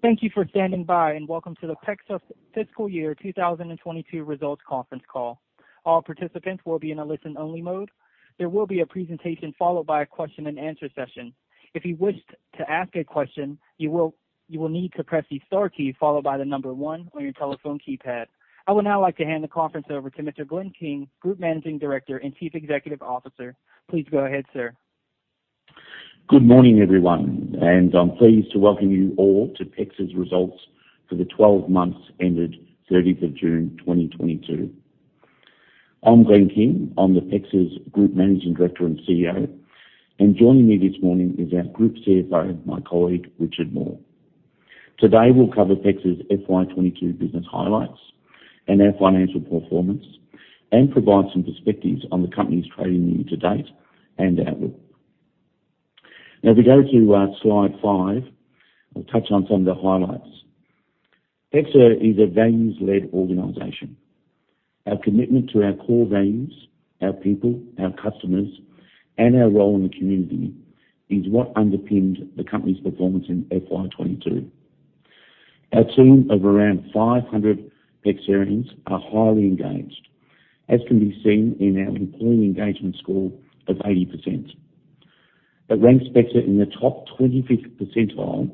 Thank you for standing by, and welcome to the PEXA Fiscal Year 2022 Results Conference Call. All participants will be in a listen-only mode. There will be a presentation followed by a question-and-answer session. If you wish to ask a question, you will need to press the star key followed by the number one on your telephone keypad. I would now like to hand the conference over to Mr. Glenn King, Group Managing Director and Chief Executive Officer. Please go ahead, sir. Good morning, everyone, and I'm pleased to welcome you all to PEXA's results for the twelve months ended 30th of June 2022. I'm Glenn King, I'm the PEXA Group's Managing Director and CEO. Joining me this morning is our Group CFO, my colleague, Richard Moore. Today, we'll cover PEXA's FY 2022 business highlights and our financial performance, and provide some perspectives on the company's trading year to date and outlook. Now, if we go to Slide five, I'll touch on some of the highlights. PEXA is a values-led organization. Our commitment to our core values, our people, our customers, and our role in the community is what underpinned the company's performance in FY 2022. Our team of around 500 PEXArians are highly engaged, as can be seen in our employee engagement score of 80%. It ranks PEXA in the top 25th percentile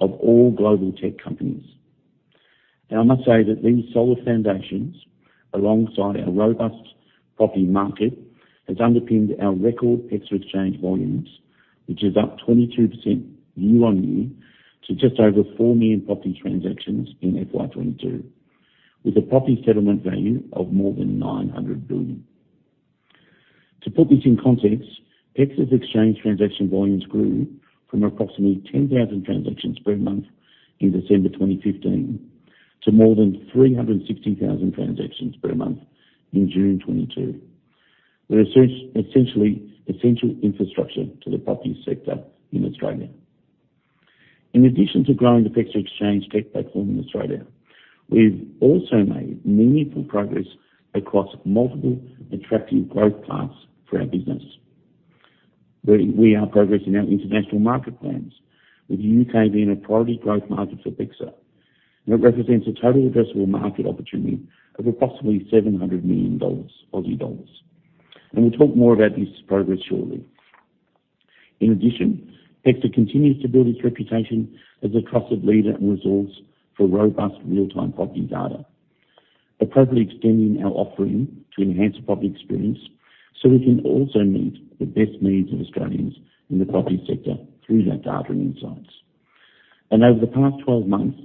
of all global tech companies. Now, I must say that these solid foundations, alongside our robust property market, has underpinned our record PEXA Exchange volumes, which is up 22% year-on-year to just over 4 million property transactions in FY 2022. With a property settlement value of more than 900 billion. To put this in context, PEXA's exchange transaction volumes grew from approximately 10,000 transactions per month in December 2015 to more than 360,000 transactions per month in June 2022. We're essentially essential infrastructure to the property sector in Australia. In addition to growing the PEXA Exchange tech platform in Australia, we've also made meaningful progress across multiple attractive growth paths for our business. We are progressing our international market plans with U.K. being a priority growth market for PEXA, and it represents a total addressable market opportunity of approximately 700 million Aussie dollars. We'll talk more about this progress shortly. In addition, PEXA continues to build its reputation as a trusted leader and resource for robust real-time property data. We're properly extending our offering to enhance the property experience so we can also meet the best needs of Australians in the property sector through that data and insights. Over the past 12 months,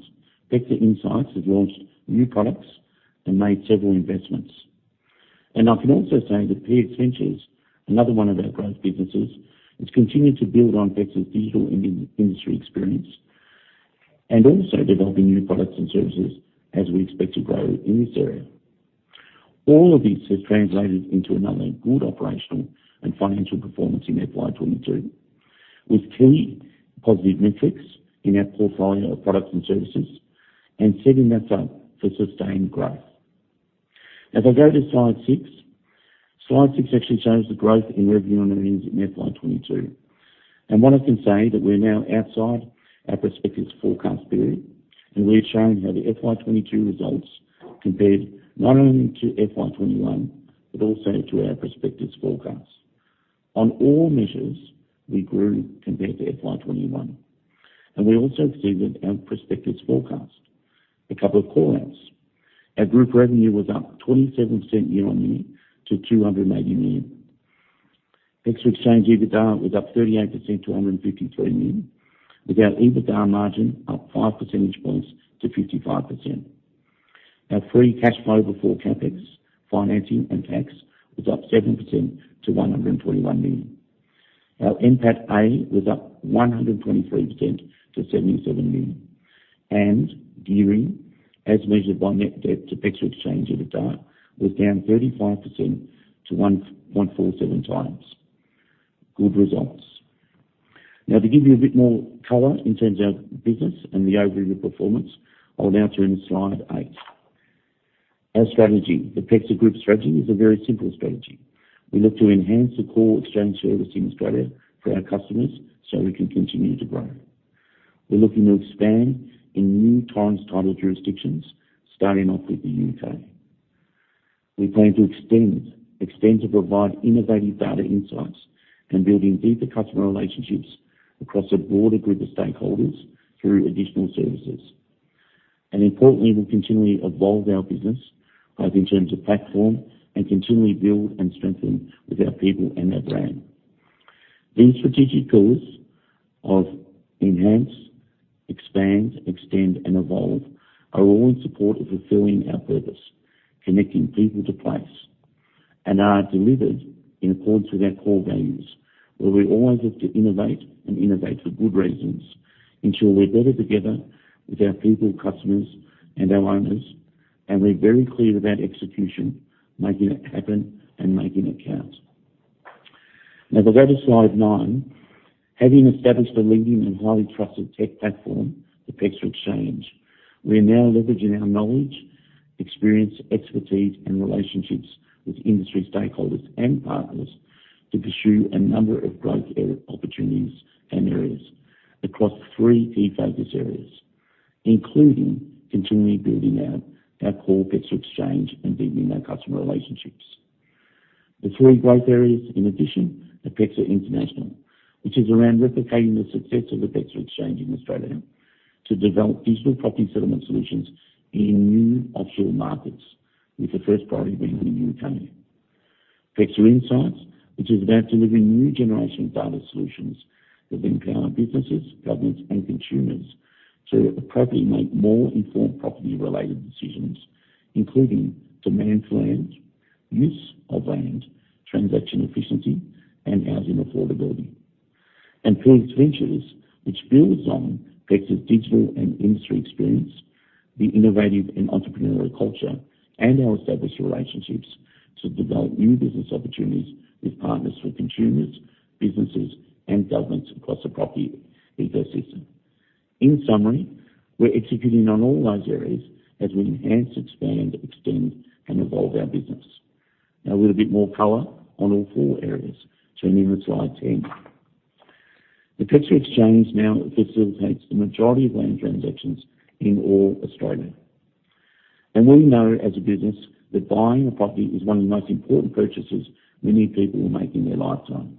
PEXA Insights has launched new products and made several investments. I can also say that PX Ventures, another one of our growth businesses, has continued to build on PEXA's digital industry experience and also developing new products and services as we expect to grow in this area. All of this has translated into another good operational and financial performance in FY 2022, with key positive metrics in our portfolio of products and services and setting us up for sustained growth. As I go to Slide six. Slide six actually shows the growth in revenue and earnings in FY 2022. What I can say that we're now outside our prospectus forecast period, and we're showing how the FY 2022 results compared not only to FY 2021, but also to our prospectus forecast. On all measures, we grew compared to FY 2021, and we also exceeded our prospectus forecast. A couple of call-outs. Our group revenue was up 27% year-on-year to 280 million. PEXA Exchange EBITDA was up 38% to 153 million, with our EBITDA margin up 5 percentage points to 55%. Our free cash flow before CapEx, financing and tax was up 7% to 121 million. Our NPATA was up 123% to 77 million. Gearing, as measured by net debt to PEXA Exchange EBITDA, was down 35% to 1.47 times. Good results. Now to give you a bit more color in terms of business and the overview performance, I'll now turn to Slide eight. Our strategy. The PEXA Group strategy is a very simple strategy. We look to enhance the core exchange service in Australia for our customers, so we can continue to grow. We're looking to expand in new Torrens title jurisdictions, starting off with the UK. We plan to extend to provide innovative data insights and building deeper customer relationships across a broader group of stakeholders through additional services. Importantly, we'll continually evolve our business, both in terms of platform and continually build and strengthen with our people and our brand. These strategic goals of enhance, expand, extend, and evolve are all in support of fulfilling our purpose, connecting people to place, and are delivered in accordance with our core values, where we always look to innovate for good reasons, ensure we're better together with our people, customers and our owners, and we're very clear about execution, making it happen and making it count. Now, if I go to Slide nine. Having established a leading and highly trusted tech platform for PEXA Exchange, we are now leveraging our knowledge, experience, expertise, and relationships with industry stakeholders and partners to pursue a number of growth opportunities and areas across three key focus areas, including continually building out our core PEXA Exchange and deepening our customer relationships. The three growth areas, in addition to PEXA International, which is around replicating the success of the PEXA Exchange in Australia to develop digital property settlement solutions in new offshore markets, with the first priority being the UK. PEXA Insights, which is about delivering new generation data solutions that empower businesses, governments, and consumers to appropriately make more informed property-related decisions, including demand for land, use of land, transaction efficiency, and housing affordability. PX Ventures, which builds on PEXA's digital and industry experience, the innovative and entrepreneurial culture, and our established relationships to develop new business opportunities with partners, for consumers, businesses, and governments across the property ecosystem. In summary, we're executing on all those areas as we enhance, expand, extend, and evolve our business. Now with a bit more color on all four areas, turning to Slide 10. The PEXA Exchange now facilitates the majority of land transactions in Australia. We know as a business that buying a property is one of the most important purchases many people will make in their lifetime,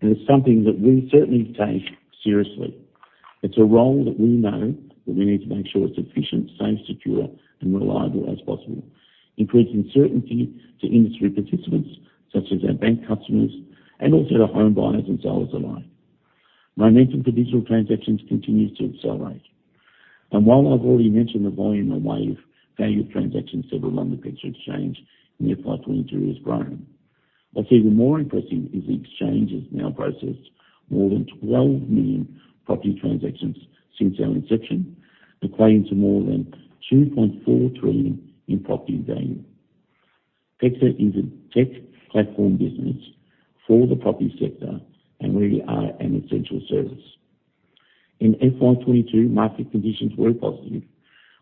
and it's something that we certainly take seriously. It's a role that we know that we need to make sure it's efficient, safe, secure, and reliable as possible, increasing certainty to industry participants such as our bank customers and also to home buyers and sellers alike. Momentum for digital transactions continues to accelerate. While I've already mentioned the volume and value of transactions settled on the PEXA Exchange in FY 2022 has grown, what's even more impressive is the Exchange has now processed more than 12 million property transactions since our inception, equating to more than 2.4 trillion in property value. PEXA is a tech platform business for the property sector, and we are an essential service. In FY 2022, market conditions were positive,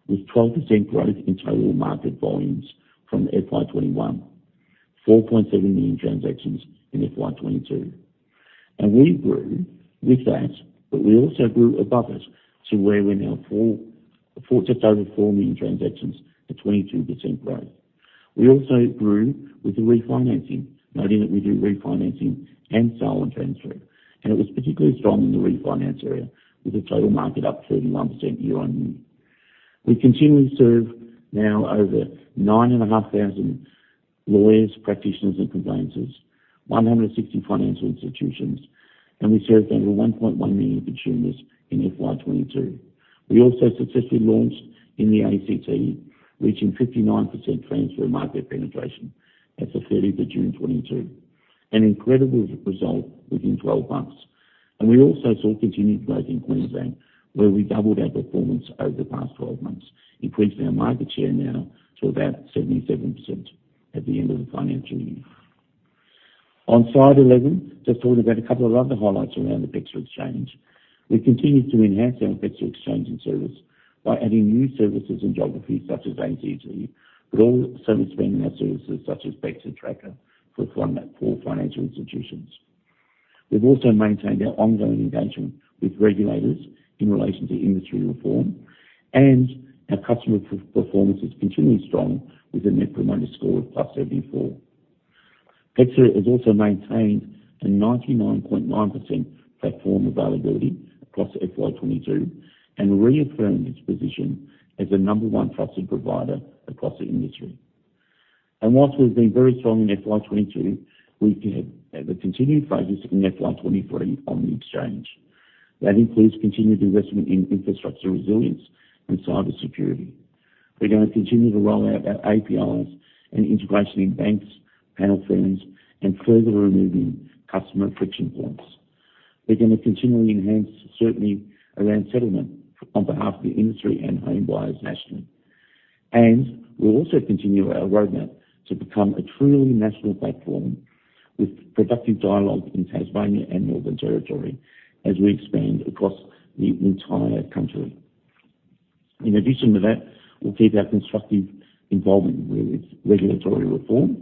with 12% growth in total market volumes from FY 2021, 4.7 million transactions in FY 2022. We grew with that, but we also grew above it to where we're now just over 4 million transactions at 22% growth. We also grew with the refinancing, noting that we do refinancing and sale and transfer, and it was particularly strong in the refinance area with the total market up 31% year-on-year. We continue to serve now over 9,500 lawyers, practitioners, and conveyancers, 160 financial institutions, and we served over 1.1 million consumers in FY 2022. We also successfully launched in the ACT, reaching 59% transfer market penetration as of 30th of June 2022. An incredible result within 12 months. We also saw continued growth in Queensland, where we doubled our performance over the past 12 months, increasing our market share now to about 77% at the end of the financial year. On Slide 11, just talking about a couple of other highlights around the PEXA Exchange. We continue to enhance our PEXA Exchange and service by adding new services and geographies such as ACT, but also expanding our services such as PEXA Tracker for financial institutions. We've also maintained our ongoing engagement with regulators in relation to industry reform, and our customer performance is continually strong with a net promoter score of +74. PEXA has also maintained a 99.9% platform availability across FY 2022 and reaffirmed its position as the number one trusted provider across the industry. While we've been very strong in FY 2022, we have a continued focus in FY 2023 on the Exchange. That includes continued investment in infrastructure resilience and cybersecurity. We're gonna continue to roll out our APIs and integration in banks, panel firms, and further removing customer friction points. We're gonna continually enhance certainty around settlement on behalf of the industry and home buyers nationally. We'll also continue our roadmap to become a truly national platform with productive dialogue in Tasmania and Northern Territory as we expand across the entire country. In addition to that, we'll keep our constructive involvement with regulatory reform,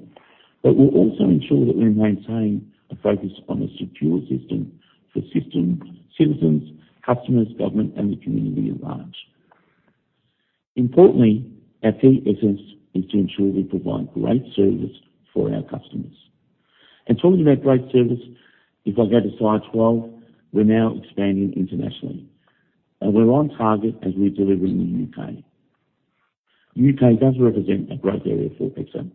but we'll also ensure that we maintain a focus on a secure system for system citizens, customers, government, and the community at large. Importantly, our key essence is to ensure we provide great service for our customers. Talking about great service, if I go to Slide 12, we're now expanding internationally. We're on target as we deliver in the UK. UK does represent a growth area for PEXA,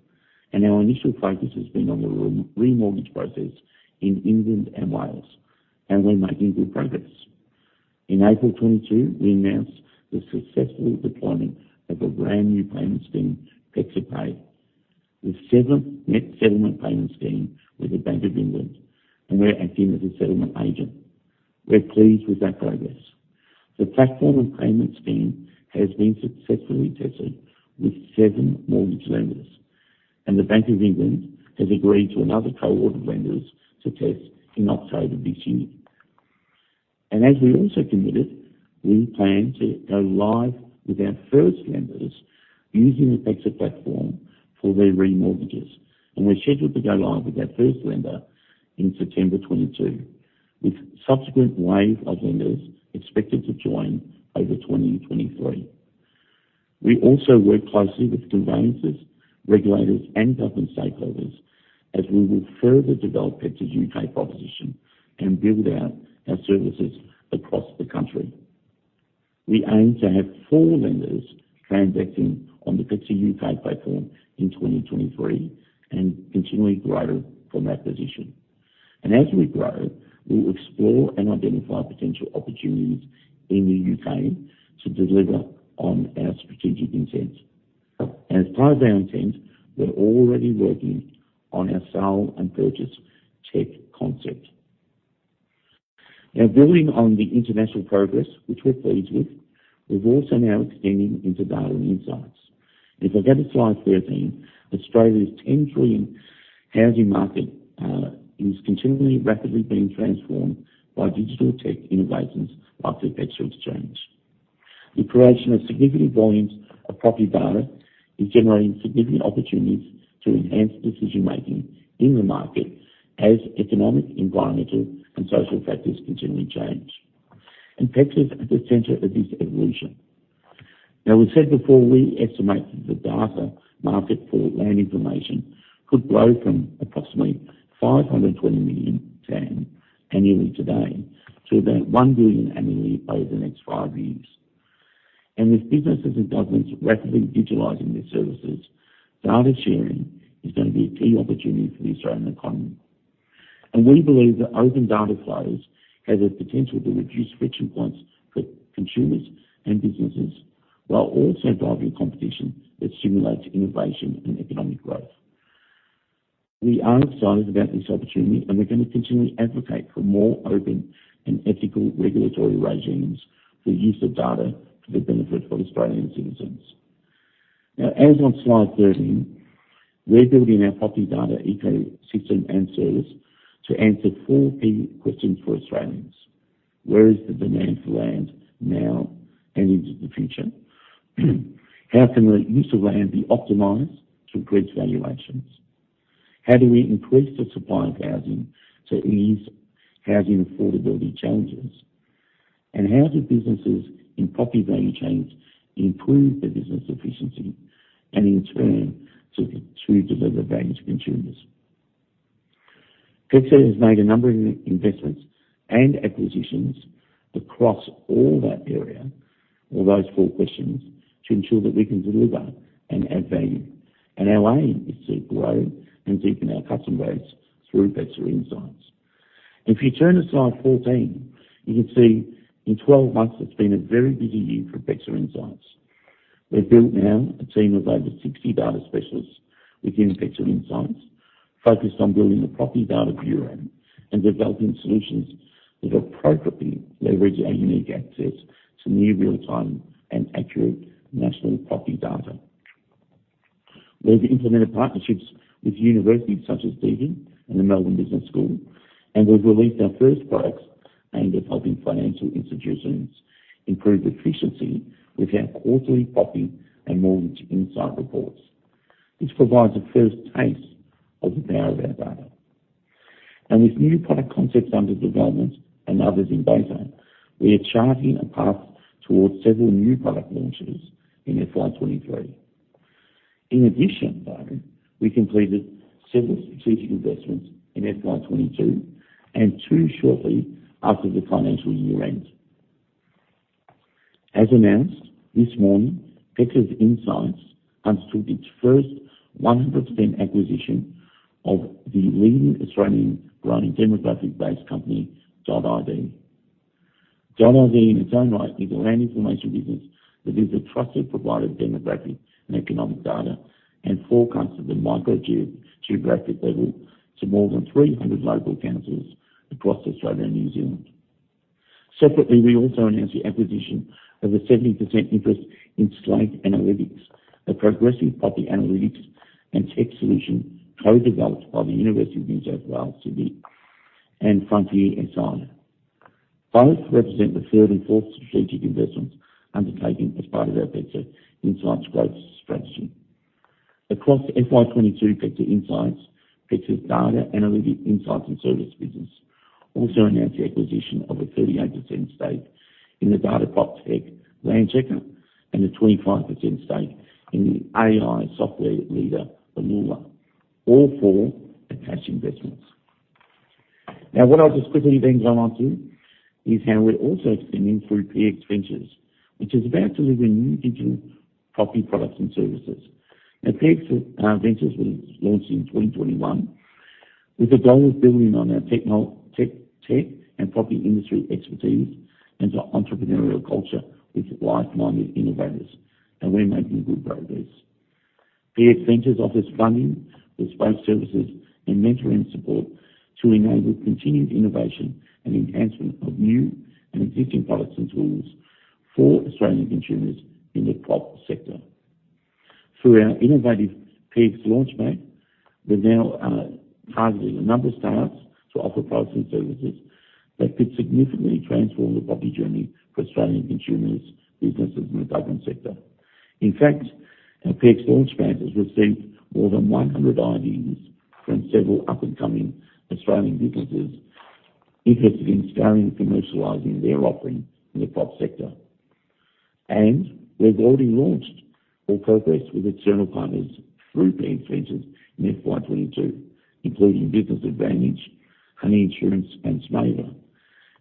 and our initial focus has been on the remortgage process in England and Wales, and we're making good progress. In April 2022, we announced the successful deployment of a brand new payment scheme, PEXA Pay, with central settlement payment scheme with the Bank of England, and we're acting as a settlement agent. We're pleased with that progress. The platform and payment scheme has been successfully tested with 7 mortgage lenders, and the Bank of England has agreed to another cohort of lenders to test in October this year. As we also committed, we plan to go live with our first lenders using the PEXA platform for their remortgages. We're scheduled to go live with our first lender in September 2022, with subsequent wave of lenders expected to join over 2023. We also work closely with conveyancers, regulators, and government stakeholders as we will further develop PEXA's UK proposition and build out our services across the country. We aim to have 4 lenders transacting on the PEXA UK platform in 2023 and continually grow from that position. As we grow, we'll explore and identify potential opportunities in the UK to deliver on our strategic intent. As part of our intent, we're already working on our sale and purchase tech concept. Now, building on the international progress, which we're pleased with, we're also now extending into data and insights. If I go to Slide 13, Australia's 10 trillion housing market is continually rapidly being transformed by digital tech innovations like the PEXA Exchange. The creation of significant volumes of property data is generating significant opportunities to enhance decision-making in the market as economic, environmental, and social factors continually change. PEXA is at the center of this evolution. Now, we said before, we estimate that the data market for land information could grow from approximately 520 million TAM annually today to about 1 billion annually over the next 5 years. With businesses and governments rapidly digitalizing their services, data sharing is gonna be a key opportunity for the Australian economy. We believe that open data flows has a potential to reduce friction points for consumers and businesses, while also driving competition that stimulates innovation and economic growth. We are excited about this opportunity, and we're gonna continually advocate for more open and ethical regulatory regimes for use of data to the benefit of Australian citizens. Now, as on Slide 13, we're building our property data ecosystem and service to answer four key questions for Australians. Where is the demand for land now and into the future? How can the use of land be optimized to increase valuations? How do we increase the supply of housing to ease housing affordability challenges? How do businesses in property value chains improve their business efficiency and in turn, to deliver value to consumers? PEXA has made a number of investments and acquisitions across all that area or those four questions to ensure that we can deliver and add value. Our aim is to grow and deepen our customer base through PEXA Insights. If you turn to Slide 14, you can see in 12 months, it's been a very busy year for PEXA Insights. We've built now a team of over 60 data specialists within PEXA Insights, focused on building the property data bureau and developing solutions that appropriately leverage our unique access to near real-time and accurate national property data. We've implemented partnerships with universities such as Deakin and the Melbourne Business School, and we've released our first products aimed at helping financial institutions improve efficiency with our quarterly property and mortgage insight reports. This provides a first taste of the power of our data. With new product concepts under development and others in beta, we are charting a path towards several new product launches in FY 2023. In addition, though, we completed several strategic investments in FY 2022 and two shortly after the financial year end. As announced this morning, PEXA Insights undertook its first 100% acquisition of the leading Australian growing demographic-based company, .id. .id, in its own right, is a land information business that is a trusted provider of demographic and economic data and forecasts at the microgeographical level to more than 300 local councils across Australia and New Zealand. Separately, we also announced the acquisition of a 70% interest in Slate Analytics, a progressive property analytics and tech solution co-developed by the University of New South Wales city and Frontier SI. Both represent the third and fourth strategic investments undertaken as part of our PEXA Insights growth strategy. Across FY 2022, PEXA Insights, PEXA's data analytic insights and service business also announced the acquisition of a 38% stake in the data proptech Landchecker and a 25% stake in the AI software leader, Valocity. All four are cash investments. Now, what I'll just quickly then go on to is how we're also extending through PX Ventures, which is about delivering new digital property products and services. Now, PX Ventures was launched in 2021 with a goal of building on our tech and property industry expertise into entrepreneurial culture with like-minded innovators, and we're making good progress. PX Ventures offers funding with both services and mentoring support to enable continued innovation and enhancement of new and existing products and tools for Australian consumers in the prop sector. Through our innovative PX Launchpad, we now are targeting a number of startups to offer products and services that could significantly transform the property journey for Australian consumers, businesses, and the government sector. In fact, our PX Launchpad has received more than 100 ideas from several up-and-coming Australian businesses interested in scaling and commercializing their offering in the prop sector. We've already launched or progressed with external partners through PX Ventures in FY 2022, including Business Advantage, Honey Insurance, and Smoove.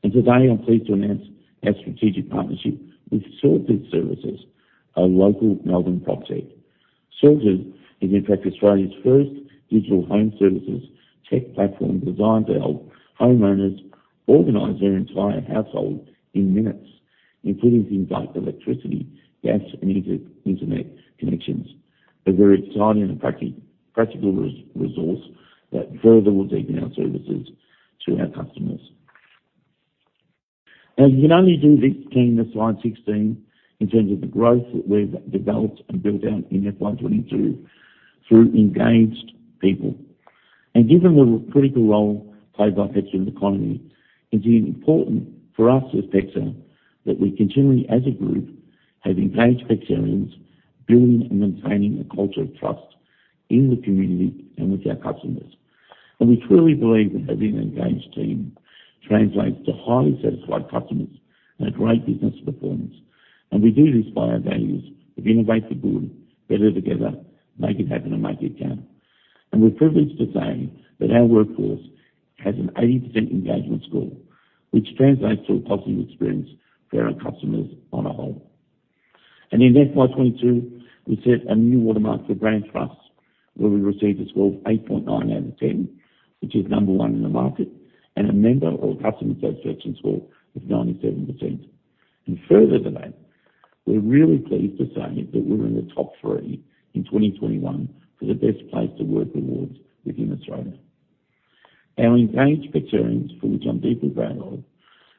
Today, I'm pleased to announce our strategic partnership with Sorted Services, a local Melbourne proptech. Sorted is in fact Australia's first digital home services tech platform designed to help homeowners organize their entire household in minutes, including things like electricity, gas, and internet connections. A very exciting and practical resource that further will deepen our services to our customers. You can only do this, see Slide 16, in terms of the growth that we've developed and built out in FY 2022 through engaged people. Given the critical role played by PEXA's ecosystem, it's important for us as PEXA that we continually, as a group, have engaged PEXArians building and maintaining a culture of trust in the community and with our customers. We truly believe that having an engaged team translates to highly satisfied customers and a great business performance. We do this by our values of innovate for good, better together, make it happen, and make it count. We're privileged to say that our workforce has an 80% engagement score, which translates to a positive experience for our customers on a whole. In FY 2022, we set a new watermark for brand trust, where we received a score of 8.9 out of 10, which is number one in the market, and a member of customer satisfaction score of 97%. Further to that, we're really pleased to say that we were in the top three in 2021 for the Best Place to Work awards within Australia. Our engaged PEXArians, for which I'm deeply grateful,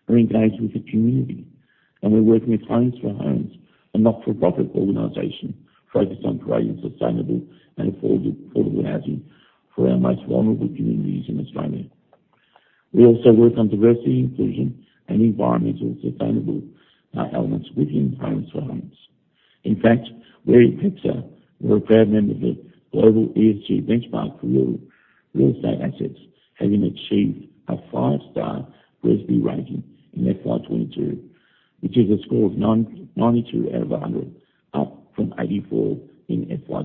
are engaged with the community, and we're working with Homes for Homes, a not-for-profit organization focused on creating sustainable and affordable housing for our most vulnerable communities in Australia. We also work on diversity, inclusion, and environmental sustainability elements within Homes for Homes. In fact, we at PEXA are a proud member of the global ESG Benchmark for Real Estate Assets, having achieved a five-star GRESB rating in FY 2022, which is a score of 92 out of a hundred, up from 84 in FY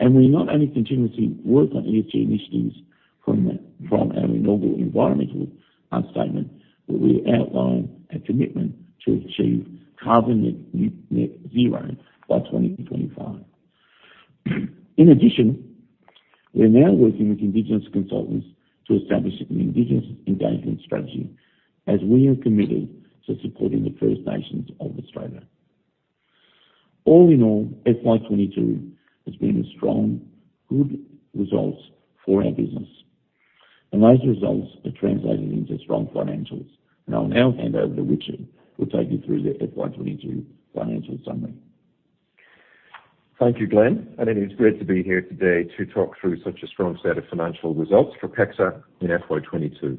2021. We're not only continuously work on ESG initiatives from our inaugural environmental statement, but we outline a commitment to achieve carbon net zero by 2025. In addition, we're now working with indigenous consultants to establish an indigenous engagement strategy, as we are committed to supporting the First Nations of Australia. All in all, FY 2022 has been a strong, good results for our business, and those results are translated into strong financials. I'll now hand over to Richard, who'll take you through the FY 2022 financial summary. Thank you, Glenn. It is great to be here today to talk through such a strong set of financial results for PEXA in FY 2022.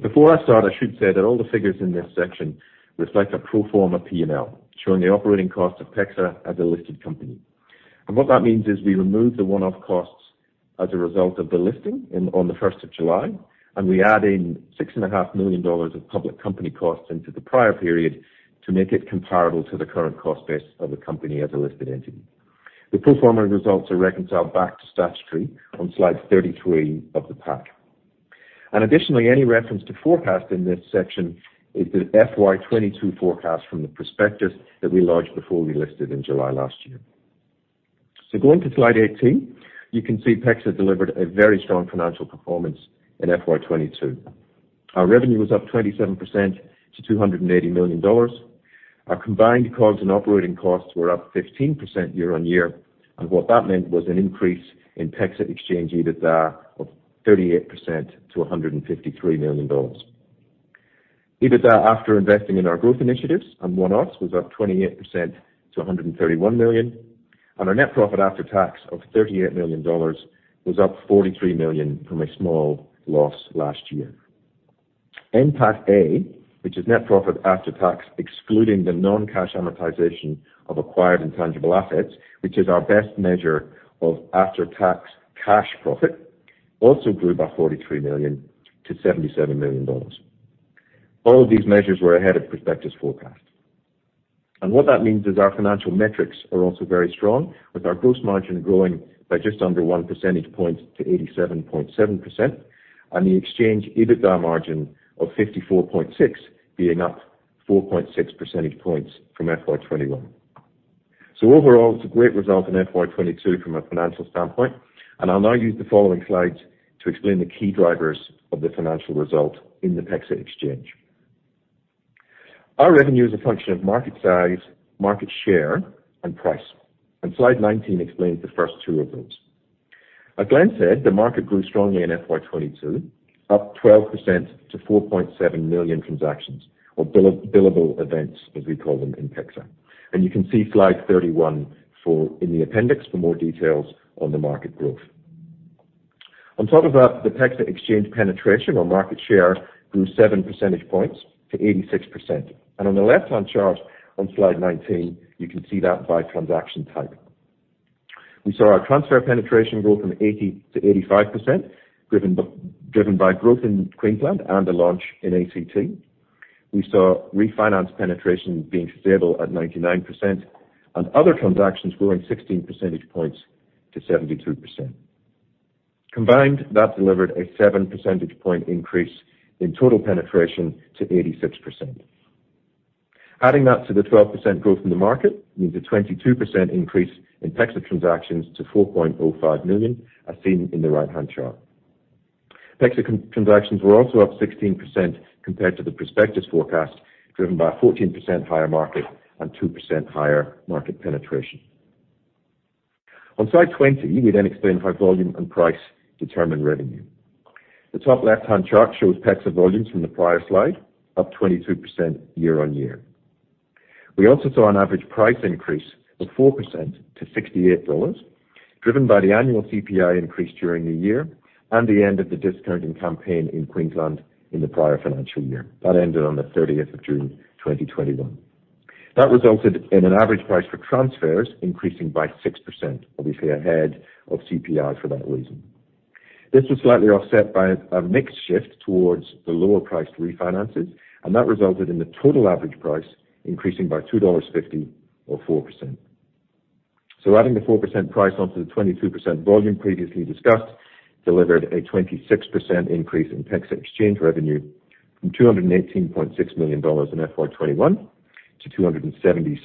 Before I start, I should say that all the figures in this section reflect a pro forma P&L, showing the operating cost of PEXA as a listed company. What that means is we remove the one-off costs as a result of the listing on the first of July, and we add in 6.5 million dollars of public company costs into the prior period to make it comparable to the current cost base of the company as a listed entity. The pro forma results are reconciled back to statutory on Slide 33 of the pack. Additionally, any reference to forecast in this section is the FY 2022 forecast from the prospectus that we launched before we listed in July last year. Going to Slide 18, you can see PEXA delivered a very strong financial performance in FY 2022. Our revenue was up 27% to 280 million dollars. Our combined COGS and operating costs were up 15% year-on-year. What that meant was an increase in PEXA Exchange EBITDA of 38% to 153 million dollars. EBITDA, after investing in our growth initiatives and one-offs, was up 28% to 131 million. Our net profit after tax of 38 million dollars was up 43 million from a small loss last year. NPATA, which is net profit after tax, excluding the non-cash amortization of acquired intangible assets, which is our best measure of after-tax cash profit, also grew by 43 million to 77 million dollars. All of these measures were ahead of prospectus forecast. What that means is our financial metrics are also very strong, with our gross margin growing by just under one percentage point to 87.7%, and the Exchange EBITDA margin of 54.6 being up 4.6 percentage points from FY 2021. Overall, it's a great result in FY 2022 from a financial standpoint, and I'll now use the following slides to explain the key drivers of the financial result in the PEXA Exchange. Our revenue is a function of market size, market share, and price. Slide 19 explains the first two of those. As Glenn said, the market grew strongly in FY 2022, up 12% to 4.7 million transactions or billable events, as we call them in PEXA. You can see Slide 31 in the appendix for more details on the market growth. On top of that, the PEXA Exchange penetration or market share grew 7 percentage points to 86%. On the left-hand chart on Slide 19, you can see that by transaction type. We saw our transfer penetration grow from 80% to 85%, driven by growth in Queensland and a launch in ACT. We saw refinance penetration being stable at 99%, and other transactions growing 16 percentage points to 72%. Combined, that delivered a 7 percentage point increase in total penetration to 86%. Adding that to the 12% growth in the market means a 22% increase in PEXA transactions to 4.05 million, as seen in the right-hand chart. PEXA conveyancing transactions were also up 16% compared to the prospectus forecast, driven by a 14% higher market and 2% higher market penetration. On Slide 20, we then explain how volume and price determine revenue. The top left-hand chart shows PEXA volumes from the prior Slide, up 22% year-over-year. We also saw an average price increase of 4% to 68 dollars, driven by the annual CPI increase during the year and the end of the discounting campaign in Queensland in the prior financial year. That ended on the thirtieth of June 2021. That resulted in an average price for transfers increasing by 6%, obviously ahead of CPI for that reason. This was slightly offset by a mix shift towards the lower priced refinances, and that resulted in the total average price increasing by 2.50 dollars or 4%. Adding the 4% price onto the 22% volume previously discussed delivered a 26% increase in PEXA Exchange revenue from 218.6 million dollars in FY 2021 to 276.6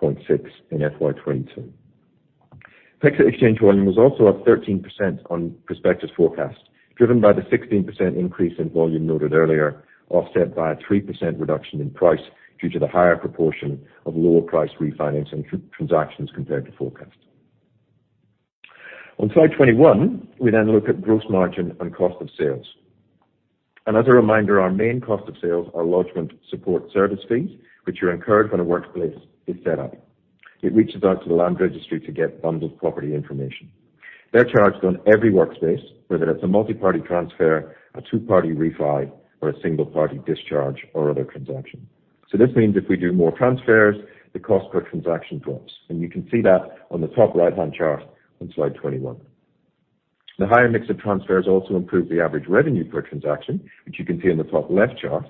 million in FY 2022. PEXA Exchange volume was also up 13% on prospectus forecast, driven by the 16% increase in volume noted earlier, offset by a 3% reduction in price due to the higher proportion of lower price refinancing transactions compared to forecast. On Slide 21, we then look at gross margin and cost of sales. As a reminder, our main cost of sales are lodgement support service fees, which are incurred when a workspace is set up. It reaches out to the land registry to get bundled property information. They're charged on every workspace, whether it's a multi-party transfer, a two-party refi, or a single party discharge or other transaction. This means if we do more transfers, the cost per transaction drops, and you can see that on the top right-hand chart on Slide 21. The higher mix of transfers also improve the average revenue per transaction, which you can see in the top left chart.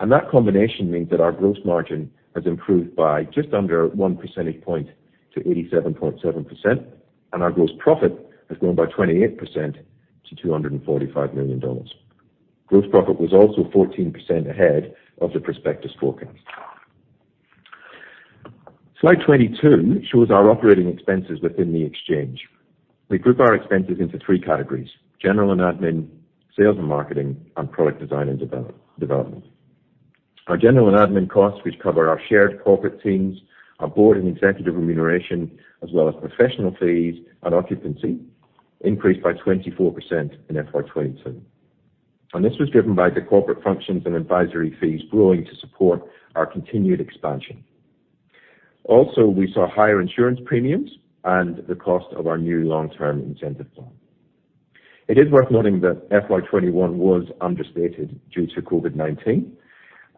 That combination means that our gross margin has improved by just under one percentage point to 87.7%, and our gross profit has grown by 28% to 245 million dollars. Gross profit was also 14% ahead of the prospectus forecast. Slide 22 shows our operating expenses within the exchange. We group our expenses into three categories, general and admin, sales and marketing, and product design and development. Our general and admin costs, which cover our shared corporate teams, our board and executive remuneration, as well as professional fees and occupancy, increased by 24% in FY 2022. This was driven by the corporate functions and advisory fees growing to support our continued expansion. Also, we saw higher insurance premiums and the cost of our new long-term incentive plan. It is worth noting that FY 2021 was understated due to COVID-19,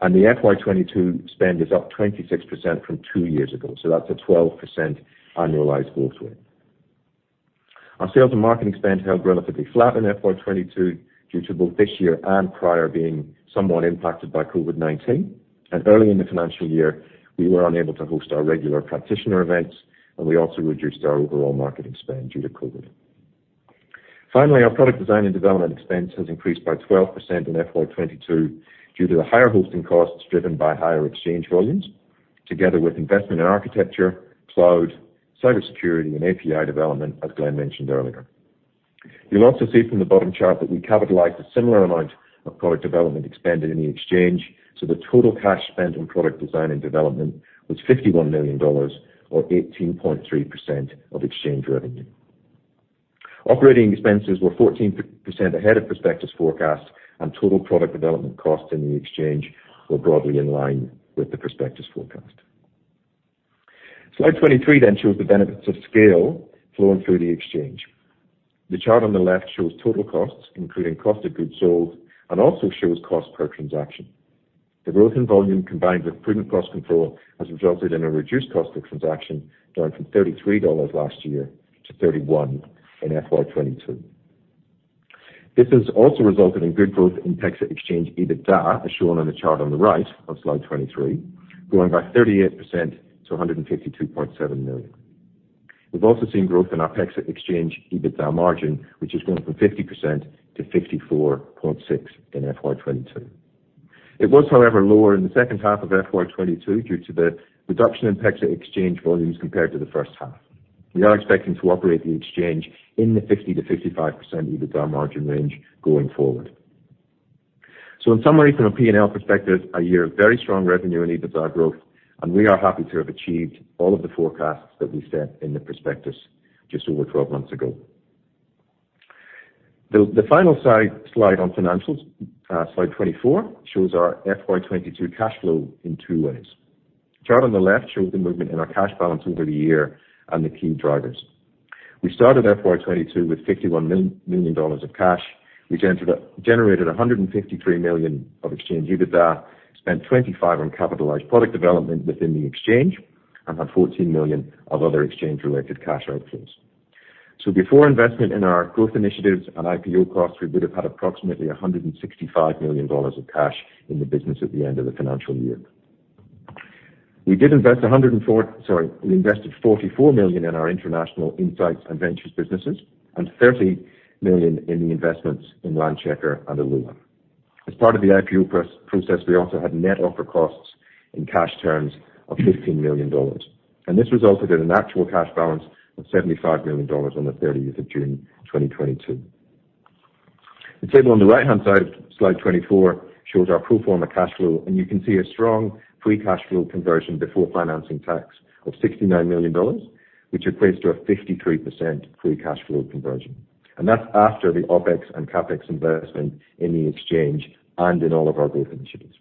and the FY 2022 spend is up 26% from two years ago. That's a 12% annualized growth rate. Our sales and marketing spend held relatively flat in FY 2022 due to both this year and prior being somewhat impacted by COVID-19. Early in the financial year, we were unable to host our regular practitioner events, and we also reduced our overall marketing spend due to COVID. Finally, our product design and development expense has increased by 12% in FY 2022 due to the higher hosting costs driven by higher exchange volumes, together with investment in architecture, cloud, cyber security and API development, as Glenn mentioned earlier. You'll also see from the bottom chart that we capitalized a similar amount of product development expended in the exchange. The total cash spent on product design and development was 51 million dollars or 18.3% of exchange revenue. Operating expenses were 14% ahead of prospectus forecast, and total product development costs in the Exchange were broadly in line with the prospectus forecast. Slide 23 shows the benefits of scale flowing through the Exchange. The chart on the left shows total costs, including cost of goods sold, and also shows cost per transaction. The growth in volume, combined with prudent cost control, has resulted in a reduced cost of transaction, down from 33 dollars last year to 31 in FY 2022. This has also resulted in good growth in PEXA Exchange EBITDA, as shown on the chart on the right of Slide 23, growing by 38% to 152.7 million. We've also seen growth in our PEXA Exchange EBITDA margin, which has grown from 50% to 54.6% in FY 2022. It was, however, lower in the second half of FY 2022 due to the reduction in PEXA Exchange volumes compared to the first half. We are expecting to operate the exchange in the 50%-55% EBITDA margin range going forward. In summary, from a P&L perspective, a year of very strong revenue and EBITDA growth, and we are happy to have achieved all of the forecasts that we set in the prospectus just over 12 months ago. The final slide on financials, Slide 24, shows our FY 2022 cash flow in two ways. Chart on the left shows the movement in our cash balance over the year and the key drivers. We started FY 2022 with AUD 51 million of cash. We generated AUD 153 million of exchange EBITDA, spent 25 on capitalized product development within the exchange, and had 14 million of other exchange-related cash outflows. Before investment in our growth initiatives and IPO costs, we would have had approximately 165 million dollars of cash in the business at the end of the financial year. We invested 44 million in our international insights and ventures businesses, and 30 million in the investments in Landchecker and Valocity. As part of the IPO process, we also had net offer costs in cash terms of 15 million dollars. This resulted in an actual cash balance of 75 million dollars on the thirtieth of June 2022. The table on the right-hand side of Slide 24 shows our pro forma cash flow, and you can see a strong free cash flow conversion before financing and tax of 69 million dollars, which equates to a 53% free cash flow conversion. That's after the OpEx and CapEx investment in the exchange and in all of our growth initiatives.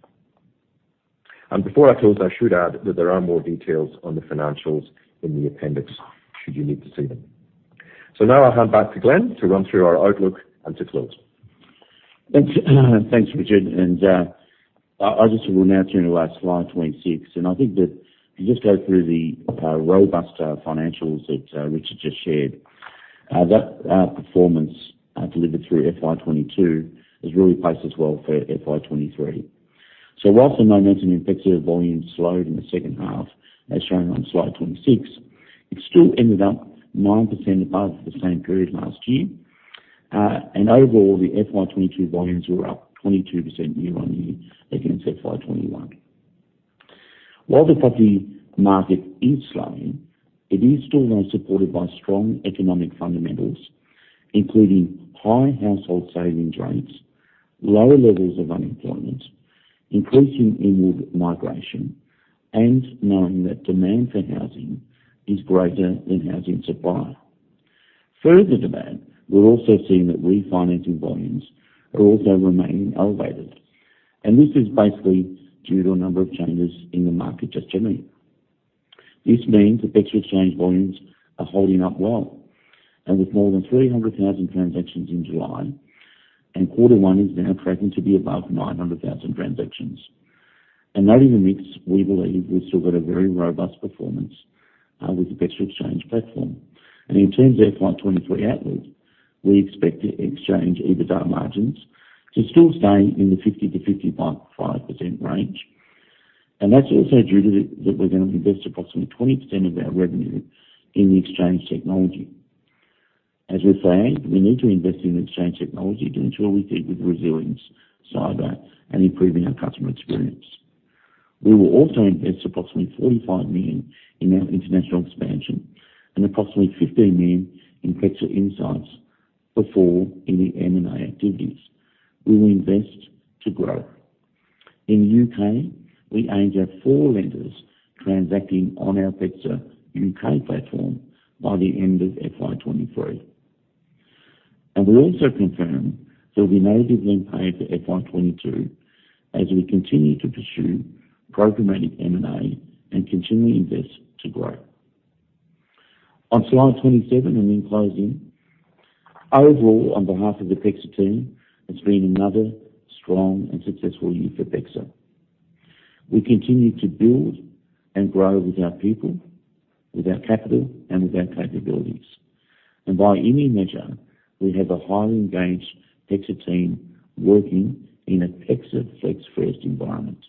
Before I close, I should add that there are more details on the financials in the appendix, should you need to see them. Now I'll hand back to Glenn to run through our outlook and to close. Thanks. Thanks, Richard. I'll just run through here on the last Slide 26. I think that if you just go through the robust financials that Richard just shared, that performance delivered through FY 2022 has really placed us well for FY 2023. While the momentum in PEXA volume slowed in the second half, as shown on Slide 26, it still ended up 9% above the same period last year. Overall, the FY 2022 volumes were up 22% year-over-year against FY 2021. While the property market is slowing, it is still well supported by strong economic fundamentals, including high household saving rates, lower levels of unemployment, increasing inward migration, and knowing that demand for housing is greater than housing supply. Further demand, we're also seeing that refinancing volumes are also remaining elevated, and this is basically due to a number of changes in the market just generally. This means that PEXA Exchange volumes are holding up well. With more than 300,000 transactions in July, quarter one is now tracking to be above 900,000 transactions. That in the mix, we believe we've still got a very robust performance with the PEXA Exchange platform. In terms of FY 2023 outlook, we expect the Exchange EBITDA margins to still stay in the 50%-50.5% range. That's also due to that we're gonna invest approximately 20% of our revenue in the exchange technology. As we say, we need to invest in exchange technology to ensure we keep up with resilience, cyber, and improving our customer experience. We will also invest approximately 45 million in our international expansion and approximately 15 million in PEXA Insights before any M&A activities. We will invest to grow. In the UK, we aim to have four lenders transacting on our PEXA UK platform by the end of FY 2023. We also confirm there'll be no dividend paid for FY 2022 as we continue to pursue programmatic M&A and continually invest to grow. On Slide 27, and in closing, overall, on behalf of the PEXA team, it's been another strong and successful year for PEXA. We continue to build and grow with our people, with our capital, and with our capabilities. By any measure, we have a highly engaged PEXA team working in a PEXA Flex First environment.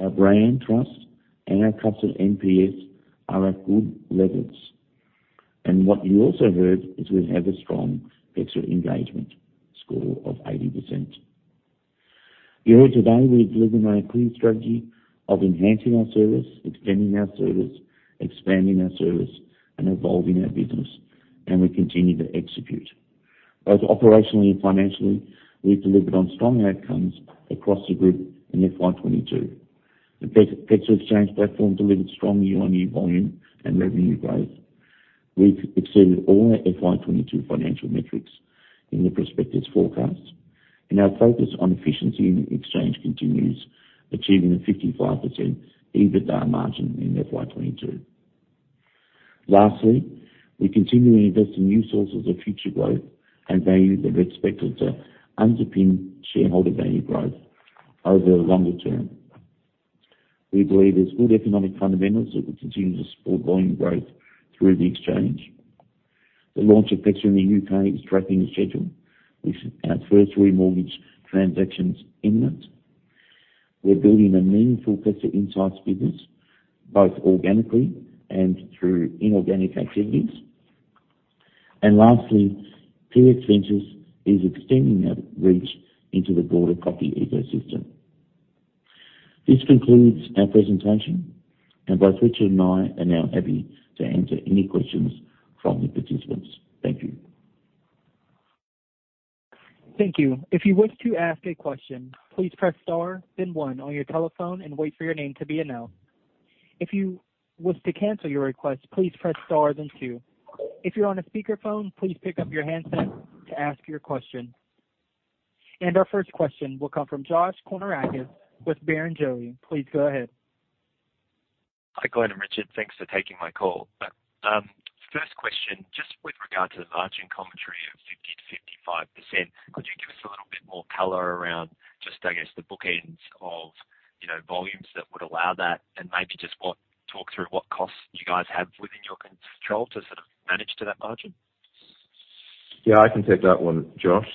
Our brand trust and our customer NPS are at good levels. What you also heard is we have a strong PEXA engagement score of 80%. You heard today we've delivered on our clear strategy of enhancing our service, extending our service, expanding our service, and evolving our business, and we continue to execute. Both operationally and financially, we've delivered on strong outcomes across the group in FY 2022. The PEXA Exchange platform delivered strong year-on-year volume and revenue growth. We've exceeded all our FY 2022 financial metrics in the prospectus forecast. Our focus on efficiency in exchange continues, achieving a 55% EBITDA margin in FY 2022. Lastly, we continue to invest in new sources of future growth and value that we're expected to underpin shareholder value growth over a longer term. We believe there's good economic fundamentals that will continue to support volume growth through the exchange. The launch of PEXA in the UK is tracking to schedule, with our first remortgage transaction is imminent. We're building a meaningful PEXA Insights business, both organically and through inorganic activities. Lastly, PX Ventures is extending our reach into the broader property ecosystem. This concludes our presentation, and both Richard and I are now happy to answer any questions from the participants. Thank you. Thank you. If you wish to ask a question, please press star then one on your telephone and wait for your name to be announced. If you wish to cancel your request, please press star then two. If you're on a speakerphone, please pick up your handset to ask your question. Our first question will come from Josh Kannourakis with Barrenjoey. Please go ahead. Hi, Glenn and Richard. Thanks for taking my call. First question, just with regard to the margin commentary of 50%-55%, could you give us a little bit more color around just, I guess, the bookends of, you know, volumes that would allow that? And maybe just talk through what costs you guys have within your control to sort of manage to that margin. Yeah, I can take that one, Josh.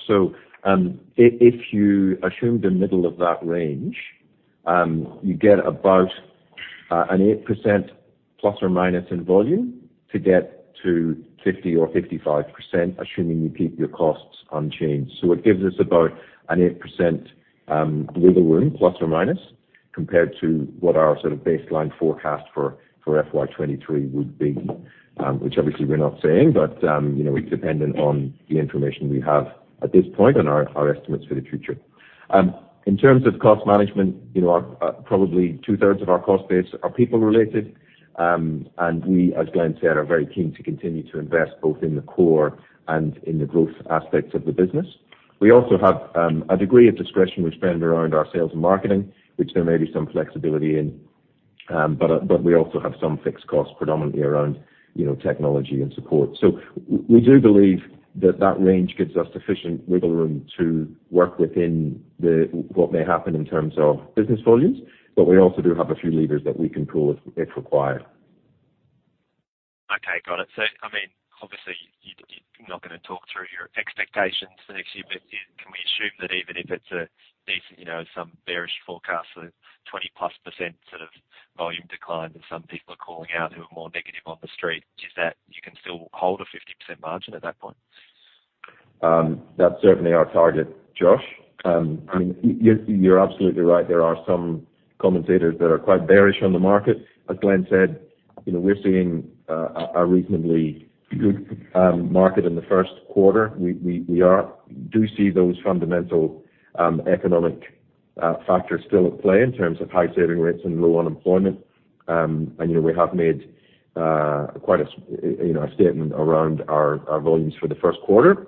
If you assume the middle of that range, you get about an 8% ± in volume to get to 50% or 55%, assuming you keep your costs unchanged. It gives us about an 8% wiggle room ±, compared to what our sort of baseline forecast for FY 2023 would be, which obviously we're not saying. You know, it's dependent on the information we have at this point and our estimates for the future. In terms of cost management, you know, our probably two-thirds of our cost base are people-related. We, as Glenn said, are very keen to continue to invest both in the core and in the growth aspects of the business. We also have a degree of discretion we spend around our sales and marketing, which there may be some flexibility in. We also have some fixed costs predominantly around, you know, technology and support. We do believe that range gives us sufficient wiggle room to work within what may happen in terms of business volumes, but we also do have a few levers that we can pull if required. Okay. Got it. I mean, obviously you're not gonna talk through your expectations next year. Can we assume that even if it's a decent, you know, some bearish forecast of 20%+ sort of volume decline that some people are calling out who are more negative on the Street, is that you can still hold a 50% margin at that point? That's certainly our target, Josh. I mean, you're absolutely right. There are some commentators that are quite bearish on the market. As Glenn said, you know, we're seeing a reasonably good market in the first quarter. We do see those fundamental economic factors still at play in terms of high saving rates and low unemployment. You know, we have made quite a statement around our volumes for the first quarter.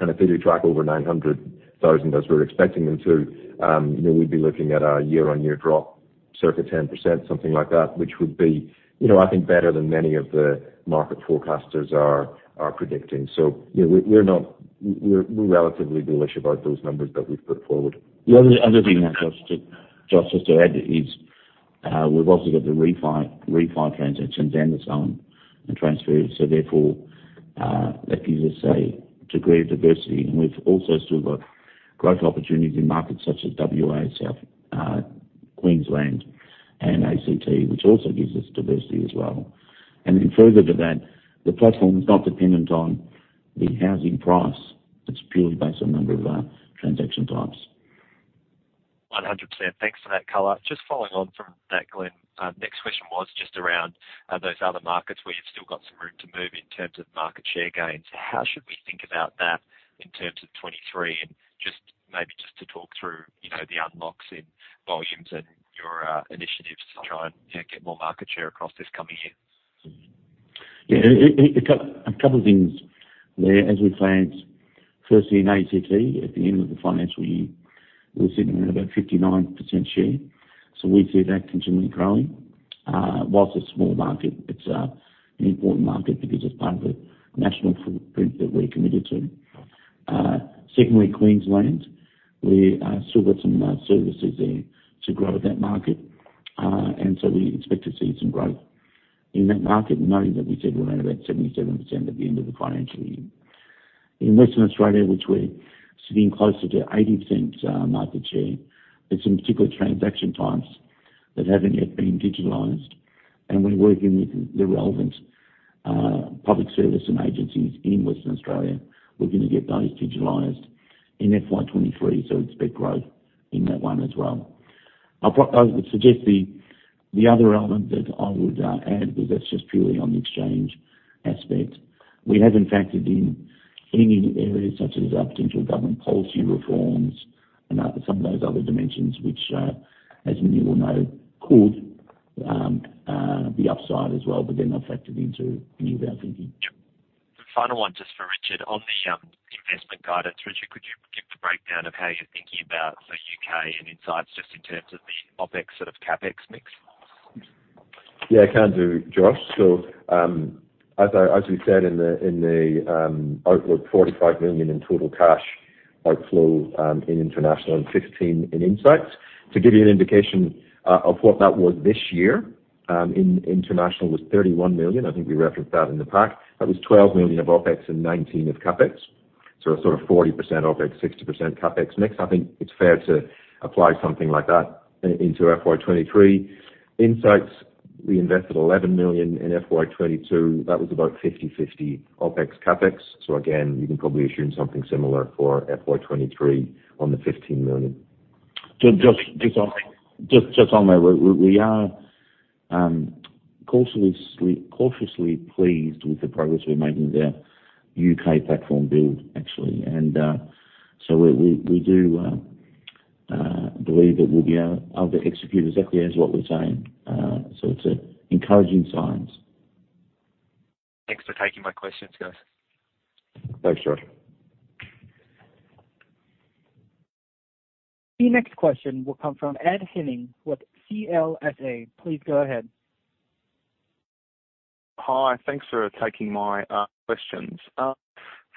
If they do track over 900,000 as we're expecting them to, you know, we'd be looking at a year-on-year drop circa 10%, something like that, which would be, you know, I think better than many of the market forecasters are predicting. You know, we're relatively bullish about those numbers that we've put forward. The other thing, Josh, just to add is, we've also got the refi transactions and the sale and transfer. Therefore, that gives us a degree of diversity. We've also still got growth opportunities in markets such as WA, South Australia, Queensland, and ACT, which also gives us diversity as well. Further to that, the platform is not dependent on the housing price. It's purely based on number of transaction types. 100%. Thanks for that color. Just following on from that, Glenn, next question was just around those other markets where you've still got some room to move in terms of market share gains. How should we think about that in terms of 2023? Just maybe just to talk through, you know, the unlocks in volumes and your initiatives to try and, you know, get more market share across this coming year. Yeah. A couple things there. As we planned, firstly in ACT, at the end of the financial year, we're sitting around about 59% share. So we see that continually growing. While it's a small market, it's an important market because it's part of a national footprint that we're committed to. Secondly, Queensland, we still got some services there to grow that market. And so we expect to see some growth in that market, knowing that we said we're around about 77% at the end of the financial year. In Western Australia, which we're sitting closer to 80%, market share. There's some particular transaction types that haven't yet been digitized, and we're working with the relevant public service and agencies in Western Australia. We're gonna get those digitized in FY 2023. Expect growth in that one as well. I would suggest the other element that I would add, because that's just purely on the exchange aspect. We haven't factored in any new areas such as potential government policy reforms and some of those other dimensions which, as many will know, could be upside as well, but they're not factored into any of our thinking. The final one, just for Richard, on the investment guidance. Richard, could you give the breakdown of how you're thinking about the UK and insights just in terms of the OpEx sort of CapEx mix? Yeah, can do, Josh. As we said in the outlook, 45 million in total cash outflow in international and 16 million in Insights. To give you an indication of what that was this year, in international was 31 million. I think we referenced that in the pack. That was 12 million of OpEx and 19 million of CapEx. A sort of 40% OpEx, 60% CapEx mix. I think it's fair to apply something like that into FY 2023. Insights, we invested 11 million in FY 2022. That was about 50/50 OpEx, CapEx. Again, you can probably assume something similar for FY 2023 on the AUD 15 million. Just on there. We are cautiously pleased with the progress we're making with our UK platform build, actually. We do believe that we'll be able to execute exactly as what we're saying. It's encouraging signs. Thanks for taking my questions, guys. Thanks, Josh. The next question will come from Ed Henning with CLSA. Please go ahead. Hi. Thanks for taking my questions.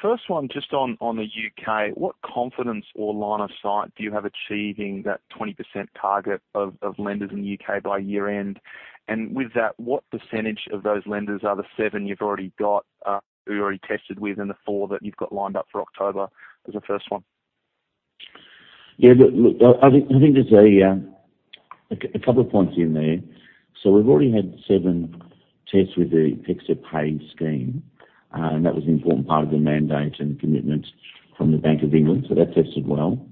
First one just on the UK. What confidence or line of sight do you have achieving that 20% target of lenders in the UK by year end? With that, what percentage of those lenders are the 7 you've already got who you already tested with and the 4 that you've got lined up for October as a first one? Yeah, look, I think there's a couple of points in there. We've already had 7 tests with the PEXA Pay scheme, and that was an important part of the mandate and commitment from the Bank of England. That tested well.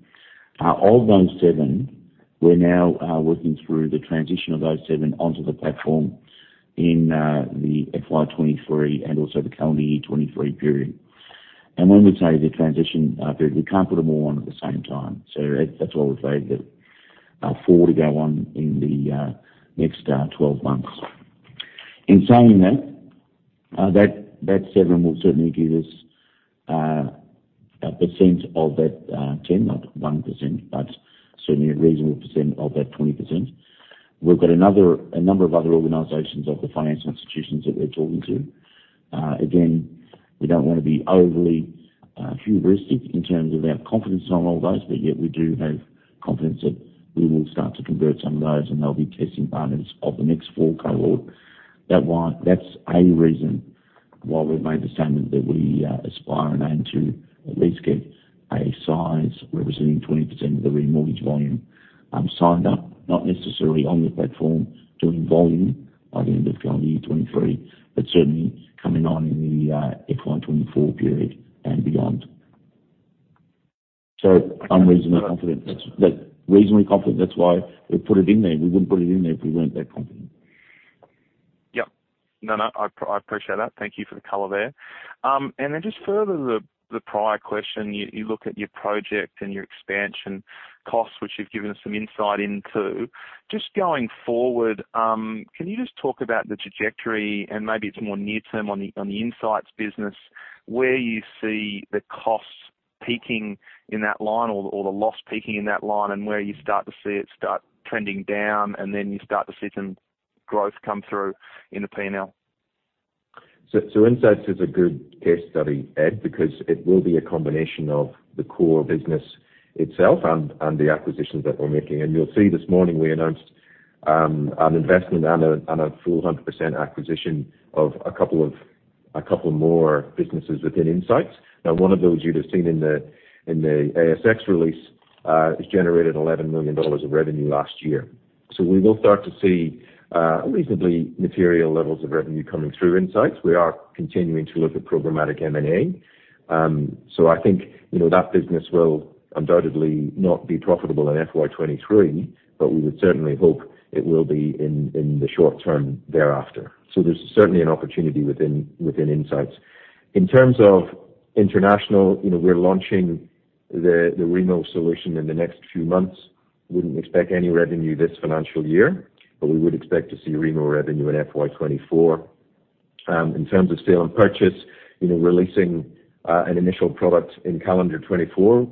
Of those 7, we're now working through the transition of those 7 onto the platform in the FY 2023 and also the calendar year 2023 period. When we say the transition period, we can't put them all on at the same time. That's why we've said that 4 to go on in the next 12 months. In saying that 7 will certainly give us a % of that 10. Not 1%, but certainly a reasonable % of that 20%. We've got a number of other organizations of the financial institutions that we're talking to. Again, we don't wanna be overly futuristic in terms of our confidence on all those, but yet we do have confidence that we will start to convert some of those, and they'll be testing partners of the next four cohort. That's a reason why we've made the statement that we aspire and aim to at least get a size representing 20% of the remortgage volume signed up, not necessarily on the platform, doing volume by the end of calendar year 2023, but certainly coming on in the FY 2024 period and beyond. I'm reasonably confident. That's reasonably confident. That's why we put it in there. We wouldn't put it in there if we weren't that confident. Yep. No, I appreciate that. Thank you for the color there. Just further the prior question, you look at your project and your expansion costs, which you've given us some insight into. Just going forward, can you just talk about the trajectory and maybe it's more near-term on the insights business, where you see the costs peaking in that line or the loss peaking in that line and where you start to see it start trending down and then you start to see some growth come through in the P&L? Insights is a good case study, Ed, because it will be a combination of the core business itself and the acquisitions that we're making. You'll see this morning we announced an investment and a full 100% acquisition of a couple more businesses within Insights. Now, one of those you'd have seen in the ASX release has generated 11 million dollars of revenue last year. We will start to see reasonably material levels of revenue coming through Insights. We are continuing to look at programmatic M&A. I think, you know, that business will undoubtedly not be profitable in FY 2023, but we would certainly hope it will be in the short term thereafter. There's certainly an opportunity within Insights. In terms of international, you know, we're launching the remortgage solution in the next few months. Wouldn't expect any revenue this financial year, but we would expect to see remortgage revenue in FY 2024. In terms of sale and purchase, you know, we're releasing an initial product in calendar 2024,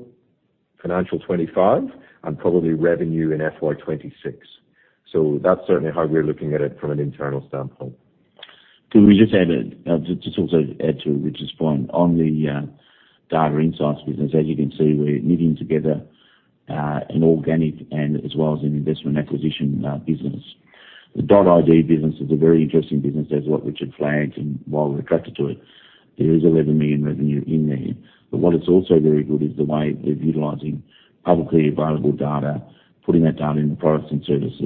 financial 2025, and probably revenue in FY 2026. That's certainly how we're looking at it from an internal standpoint. Can we just also add to Richard's point. On the data insights business, as you can see, we're knitting together an organic and as well as an investment acquisition business. The .id business is a very interesting business. That's what Richard flagged, and why we're attracted to it. There is 11 million revenue in there. But what is also very good is the way they're utilizing publicly available data, putting that data into products and services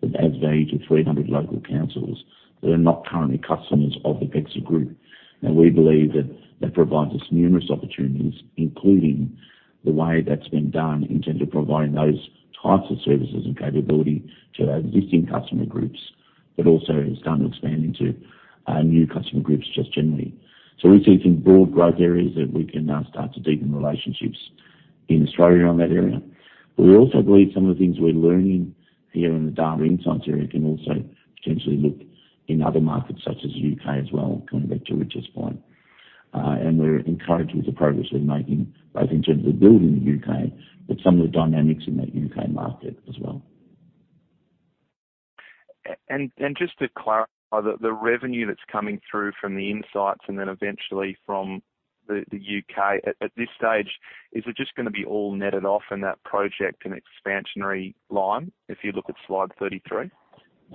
that adds value to 300 local councils that are not currently customers of the PEXA Group. Now, we believe that that provides us numerous opportunities, including the way that's been done in terms of providing those types of services and capability to our existing customer groups, but also has started expanding to new customer groups just generally. We see some broad growth areas that we can now start to deepen relationships in Australia on that area. We also believe some of the things we're learning here in the data insights area can also potentially look in other markets such as UK as well, coming back to Richard's point. We're encouraged with the progress we're making, both in terms of building the UK, but some of the dynamics in that UK market as well. Just to clarify, the revenue that's coming through from the insights and then eventually from the UK at this stage, is it just gonna be all netted off in that project and expansionary line, if you look at Slide 33?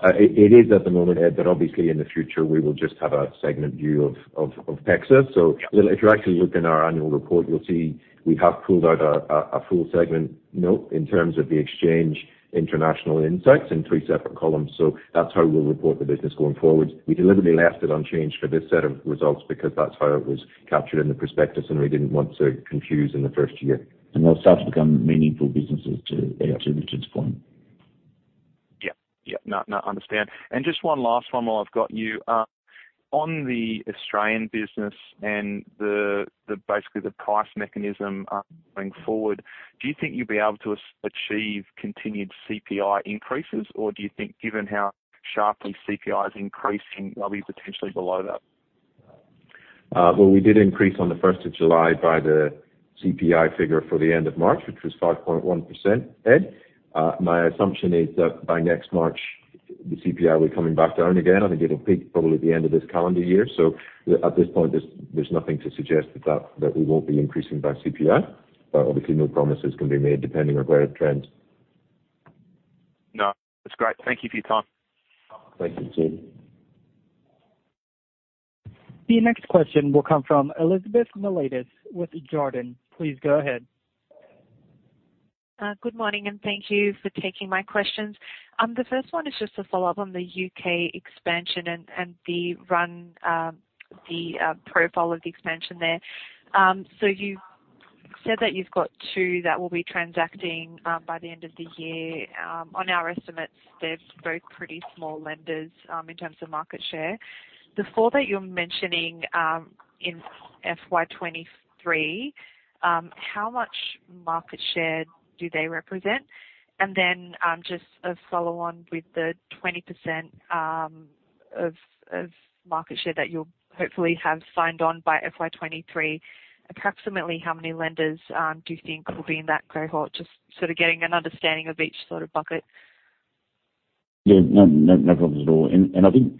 It is at the moment, Ed, but obviously in the future, we will just have a segment view of PEXA. If you actually look in our annual report, you'll see we have pulled out a full segment note in terms of the exchange international insights in three separate columns. That's how we'll report the business going forward. We deliberately left it unchanged for this set of results because that's how it was captured in the prospectus, and we didn't want to confuse in the first year. They'll start to become meaningful businesses too, Ed, to Richard's point. Yeah. Yeah. No, no, understand. Just one last one while I've got you. On the Australian business and basically the price mechanism going forward, do you think you'll be able to achieve continued CPI increases? Or do you think given how sharply CPI is increasing, they'll be potentially below that? Well, we did increase on the first of July by the CPI figure for the end of March, which was 5.1%, Ed. My assumption is that by next March, the CPI will be coming back down again. I think it'll peak probably at the end of this calendar year. At this point, there's nothing to suggest that we won't be increasing by CPI. Obviously, no promises can be made depending on where it trends. No, that's great. Thank you for your time. Thank you too. The next question will come from Elizabeth Miliatis with Jarden. Please go ahead. Good morning, and thank you for taking my questions. The first one is just a follow-up on the UK expansion and the profile of the expansion there. So you said that you've got two that will be transacting by the end of the year. On our estimates, they're both pretty small lenders in terms of market share. The four that you're mentioning in FY 2023, how much market share do they represent? And then, just a follow on with the 20% of market share that you'll hopefully have signed on by FY 2023, approximately how many lenders do you think will be in that cohort? Just sort of getting an understanding of each sort of bucket. Yeah. No, no problems at all. I think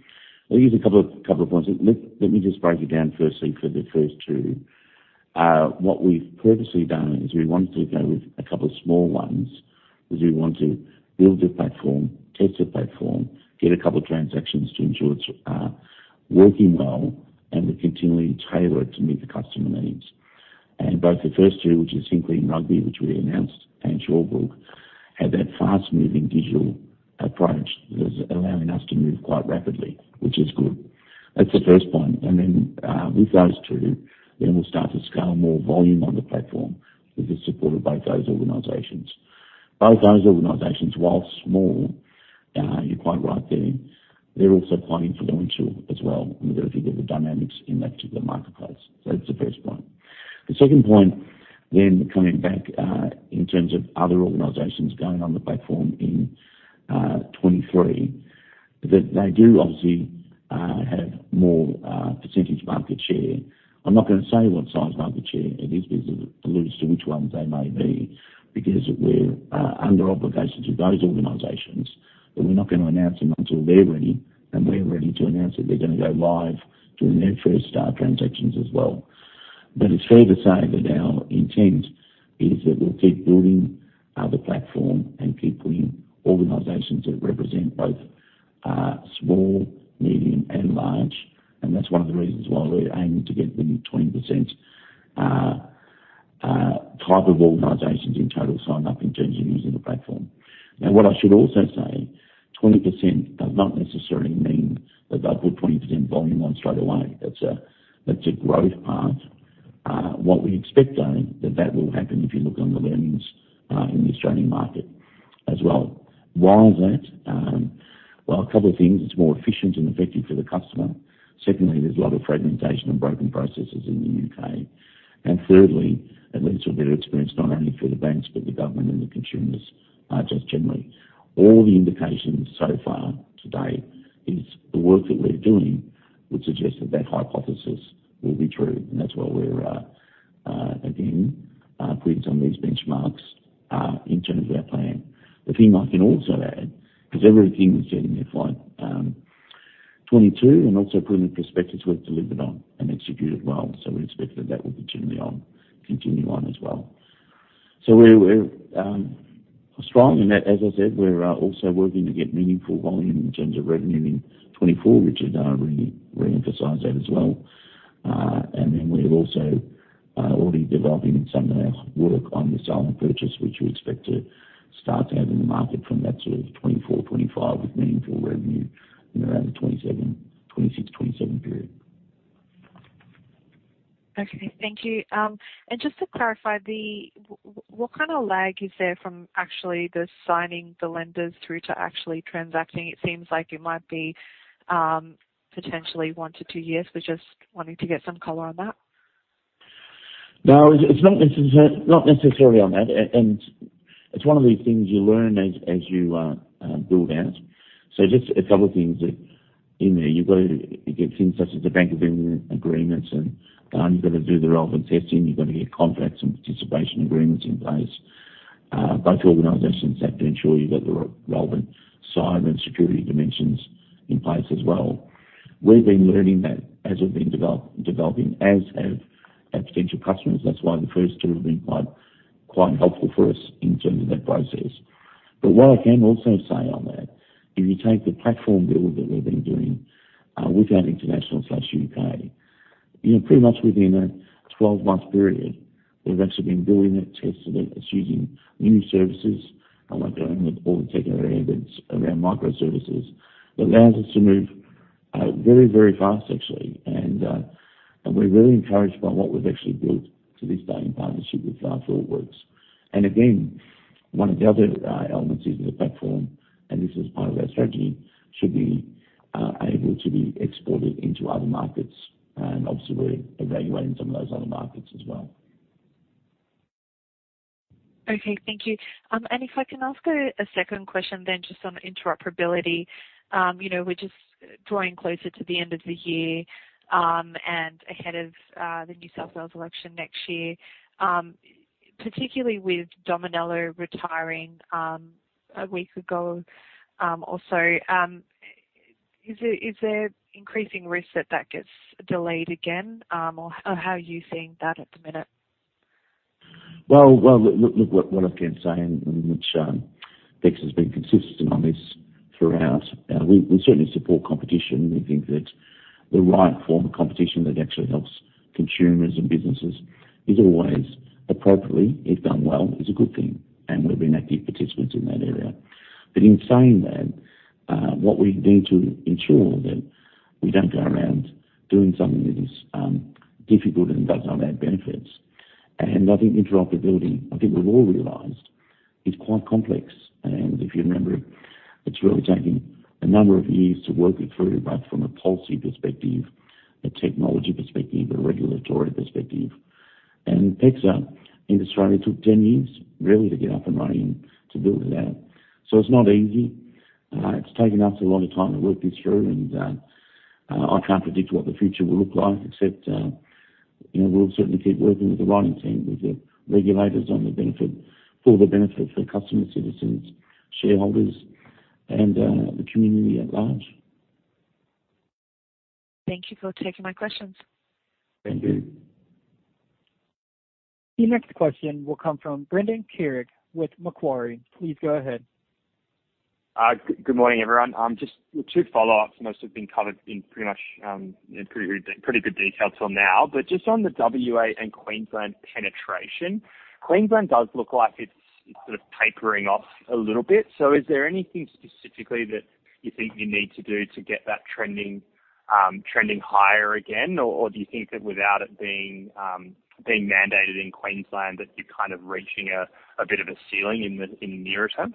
there is a couple of points. Let me just break it down firstly for the first two. What we've purposely done is we wanted to go with a couple of small ones 'cause we want to build the platform, test the platform, get a couple of transactions to ensure it's working well, and we continually tailor it to meet the customer needs. Both the first two, which is Hinckley & Rugby, which we announced, and Shawbrook, had that fast-moving digital approach that is allowing us to move quite rapidly, which is good. That's the first point. With those two, then we'll start to scale more volume on the platform with the support of both those organizations. Both those organizations, while small, you're quite right there, they're also planning for the long term as well and a bit of the dynamics in that particular marketplace. That's the first point. The second point coming back, in terms of other organizations going on the platform in 2023, that they do obviously have more percentage market share. I'm not gonna say what size market share it is because it alludes to which ones they may be, because we're under obligations with those organizations, but we're not gonna announce them until they're ready and we're ready to announce that they're gonna go live doing their first transactions as well. It's fair to say that our intent is that we'll keep building the platform and keep putting organizations that represent both small, medium, and large. That's one of the reasons why we're aiming to get the 20% type of organizations in total signed up in terms of using the platform. Now, what I should also say, 20% does not necessarily mean that they'll put 20% volume on straight away. That's a growth path. What we expect, though, that will happen if you look on the learnings in the Australian market as well. Why is that? Well, a couple of things. It's more efficient and effective for the customer. Secondly, there's a lot of fragmentation and broken processes in the UK. And thirdly, it leads to a better experience not only for the banks, but the government and the consumers just generally. All the indications so far to date is the work that we're doing would suggest that hypothesis will be true, and that's why we're again putting some of these benchmarks in terms of our plan. The thing I can also add, because everything we said in FY 2022 and also put in the prospectus we've delivered on and executed well. We expect that will continue on as well. We're strong in that. As I said, we're also working to get meaningful volume in terms of revenue in 2024, Richard, really re-emphasize that as well. We're also already developing some of our work on the sale and purchase, which we expect to start to have in the market from that sort of 2024, 2025 with meaningful revenue in around the 2027, 2026, 2027 period. Okay. Thank you. Just to clarify, what kind of lag is there from actually signing the lenders through to actually transacting? It seems like it might be potentially one to two years. We're just wanting to get some color on that. No, it's not necessarily on that. It's one of these things you learn as you build out. Just a couple of things that in there. You've got to get things such as the bank agreements, and you've got to do the relevant testing. You've got to get contracts and participation agreements in place. Both organizations have to ensure you've got the relevant signing and security dimensions in place as well. We've been learning that as we've been developing as have our potential customers. That's why the first two have been quite helpful for us in terms of that process. What I can also say on that, if you take the platform build that we've been doing with our international UK, you know, pretty much within a 12-month period, we've actually been building that, testing it. It's using new services, like our own with all the technology around microservices that allows us to move, very, very fast actually. We're really encouraged by what we've actually built to this day in partnership with Thoughtworks. Again, one of the other elements is in the platform, and this is part of our strategy, should be able to be exported into other markets. Obviously we're evaluating some of those other markets as well. Okay. Thank you. If I can ask a second question just on interoperability. You know, we're just drawing closer to the end of the year, and ahead of the New South Wales election next year. Particularly with Dominello retiring a week ago, also, is there increasing risk that that gets delayed again? Or how are you seeing that at the minute? Well, look what I can say, and which, PEXA's been consistent on this throughout. We certainly support competition. We think that the right form of competition that actually helps consumers and businesses is always appropriately, if done well, a good thing, and we've been active participants in that area. In saying that, what we need to ensure that we don't go around doing something that is difficult and does not add benefits. I think interoperability, I think we've all realized is quite complex. If you remember, it's really taken a number of years to work it through, both from a policy perspective, a technology perspective, a regulatory perspective. PEXA in Australia took 10 years really to get up and running to build it out. It's not easy. It's taken us a lot of time to work this through and I can't predict what the future will look like except you know we'll certainly keep working with the right team with the regulators on the benefit for customers citizens shareholders and the community at large. Thank you for taking my questions. Thank you. The next question will come from Brendan Carrig with Macquarie. Please go ahead. Good morning, everyone. Just two follow-ups. Most have been covered in pretty much in pretty good detail till now. Just on the WA and Queensland penetration. Queensland does look like it's sort of tapering off a little bit. Is there anything specifically that you think you need to do to get that trending higher again? Do you think that without it being mandated in Queensland that you're kind of reaching a bit of a ceiling in the near term?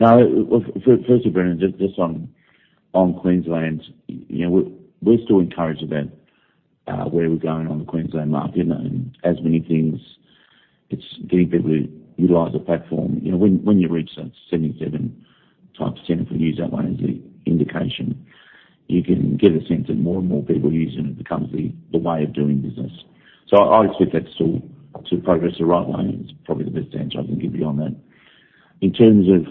No. Well, first to Brendan, just on Queensland. You know, we're still encouraged about where we're going on the Queensland market. As many things, it's getting people to utilize the platform. You know, when you reach that 77% type, if we use that one as the indication, you can get a sense that more and more people are using it becomes the way of doing business. I expect that still to progress the right way is probably the best answer I can give you on that. In terms of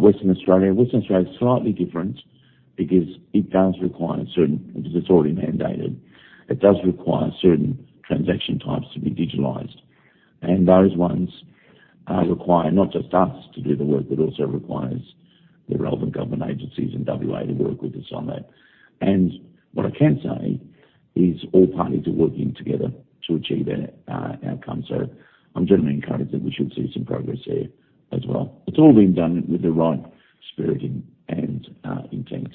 Western Australia. Western Australia is slightly different because it's already mandated. It does require certain transaction types to be digitalized. Those ones require not just us to do the work, but also requires the relevant government agencies in WA to work with us on that. What I can say is all parties are working together to achieve that outcome. I'm generally encouraged that we should see some progress there as well. It's all being done with the right spirit and intent.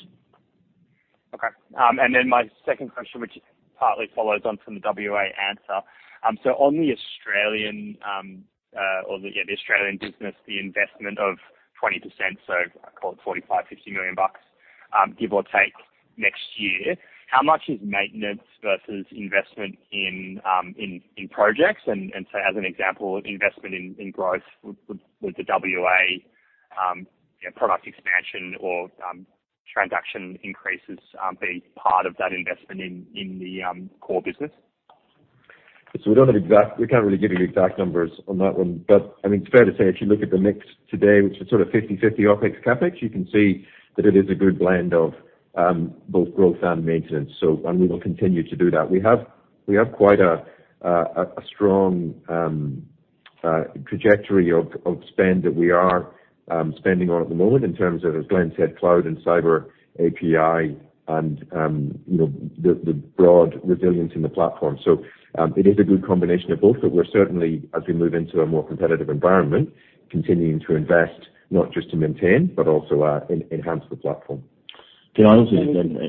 My second question, which partly follows on from the WA answer. So on the Australian business, the investment of 20%, so call it 45 million-50 million bucks, give or take next year. How much is maintenance versus investment in projects? So as an example, investment in growth with the WA, you know, product expansion or transaction increases, be part of that investment in the core business. We don't have exact numbers. We can't really give you exact numbers on that one. I mean, it's fair to say if you look at the mix today, which is sort of 50/50 OpEx/CapEx, you can see that it is a good blend of both growth and maintenance. We will continue to do that. We have quite a strong trajectory of spend that we are spending on at the moment in terms of, as Glenn said, cloud and cyber, API and, you know, the broad resilience in the platform. It is a good combination of both, but we're certainly, as we move into a more competitive environment, continuing to invest not just to maintain but also enhance the platform. Thank you. Can I also just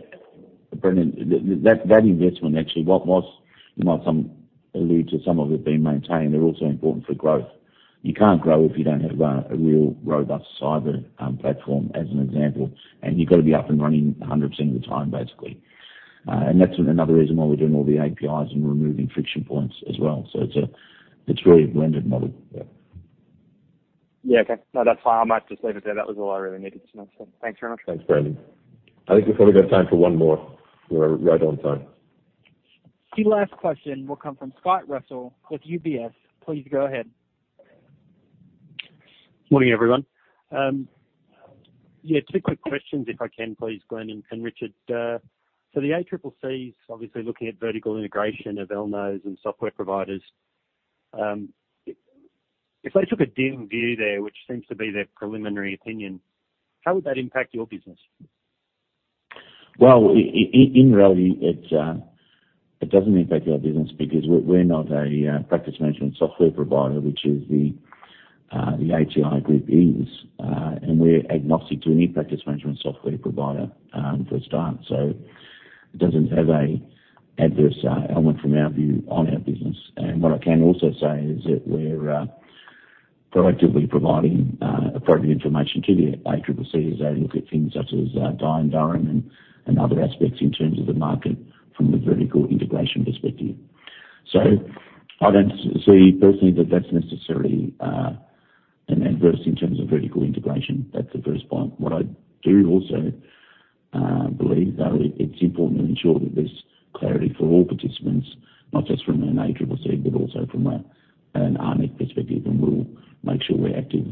add, Brendan, that investment actually, you know, some alluded to some of it being maintained, they're also important for growth. You can't grow if you don't have a real robust cyber platform as an example, and you've got to be up and running 100% of the time, basically. That's another reason why we're doing all the APIs and removing friction points as well. It's a very blended model. Yeah. Yeah. Okay. No, that's fine. I might just leave it there. That was all I really needed to know. Thanks very much. Thanks, Brendan. I think we've probably got time for one more. We're right on time. The last question will come from Scott Russell with UBS. Please go ahead. Morning, everyone. Two quick questions if I can please, Glenn and Richard. The ACCC is obviously looking at vertical integration of ELNOs and software providers. If they took a dim view there, which seems to be their preliminary opinion, how would that impact your business? Well, in reality, it doesn't impact our business because we're not a practice management software provider, which the ATI Group is. We're agnostic to any practice management software provider, for a start. It doesn't have an adverse element from our view on our business. What I can also say is that we're proactively providing appropriate information to the ACCC as they look at things such as Dye & Durham and other aspects in terms of the market from the vertical integration perspective. I don't see personally that that's necessarily an adverse in terms of vertical integration. That's the first point. What I do also believe, though, it's important to ensure that there's clarity for all participants, not just from an ACCC, but also from an ARNECC perspective, and we'll make sure we're active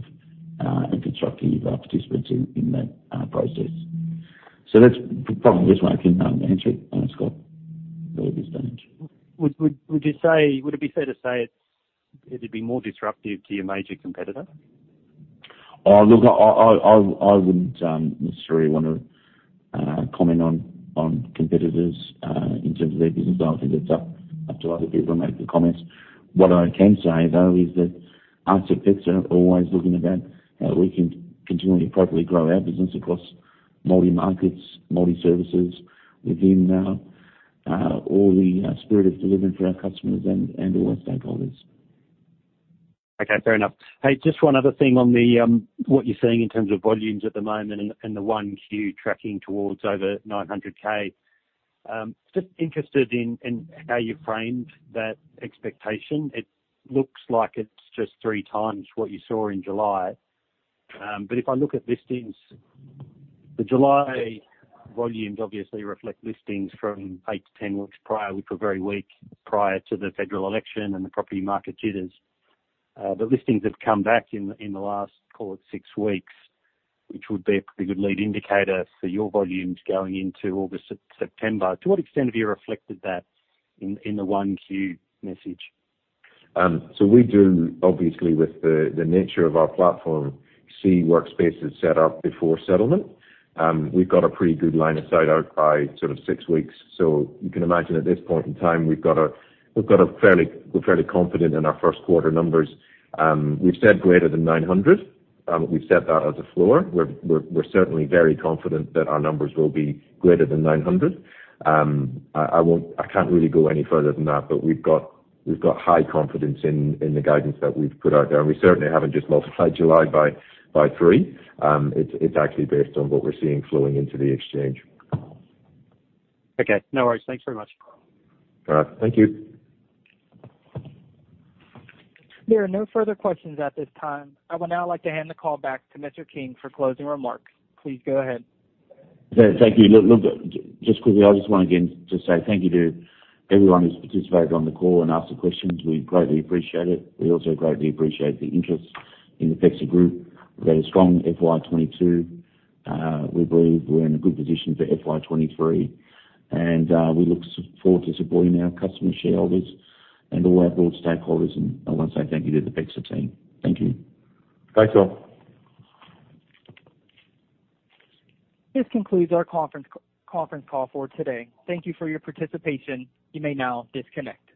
and constructive participants in that process. So that's probably as much as I can answer it, Scott, at this stage. Would it be fair to say it'd be more disruptive to your major competitor? Oh, look, I wouldn't necessarily wanna comment on competitors in terms of their business. I think that's up to other people to make the comments. What I can say, though, is that us at PEXA are always looking about how we can continually appropriately grow our business across multi markets, multi services within all the spirit of delivering for our customers and all our stakeholders. Okay, fair enough. Hey, just one other thing on the what you're seeing in terms of volumes at the moment and the 1Q tracking towards over 900K. Just interested in how you framed that expectation. It looks like it's just 3 times what you saw in July. If I look at listings, the July volumes obviously reflect listings from 8-10 weeks prior, which were very weak prior to the federal election and the property market jitters. Listings have come back in the last, call it 6 weeks, which would be a pretty good lead indicator for your volumes going into August, September. To what extent have you reflected that in the 1Q message? We do obviously with the nature of our platform see workspaces set up before settlement. We've got a pretty good line of sight out by sort of six weeks. You can imagine at this point in time we're fairly confident in our first quarter numbers. We've said greater than 900. We've set that as a floor. We're certainly very confident that our numbers will be greater than 900. I won't. I can't really go any further than that, but we've got high confidence in the guidance that we've put out there. We certainly haven't just multiplied July by 3. It's actually based on what we're seeing flowing into the exchange. Okay, no worries. Thanks very much. All right. Thank you. There are no further questions at this time. I would now like to hand the call back to Mr. King for closing remarks. Please go ahead. Yeah, thank you. Look, just quickly, I just want again to say thank you to everyone who's participated on the call and asked the questions. We greatly appreciate it. We also greatly appreciate the interest in the PEXA Group. We've had a strong FY 2022. We believe we're in a good position for FY 2023. We look forward to supporting our customers, shareholders and all our broad stakeholders. I wanna say thank you to the PEXA team. Thank you. Thanks, all. This concludes our conference call for today. Thank you for your participation. You may now disconnect.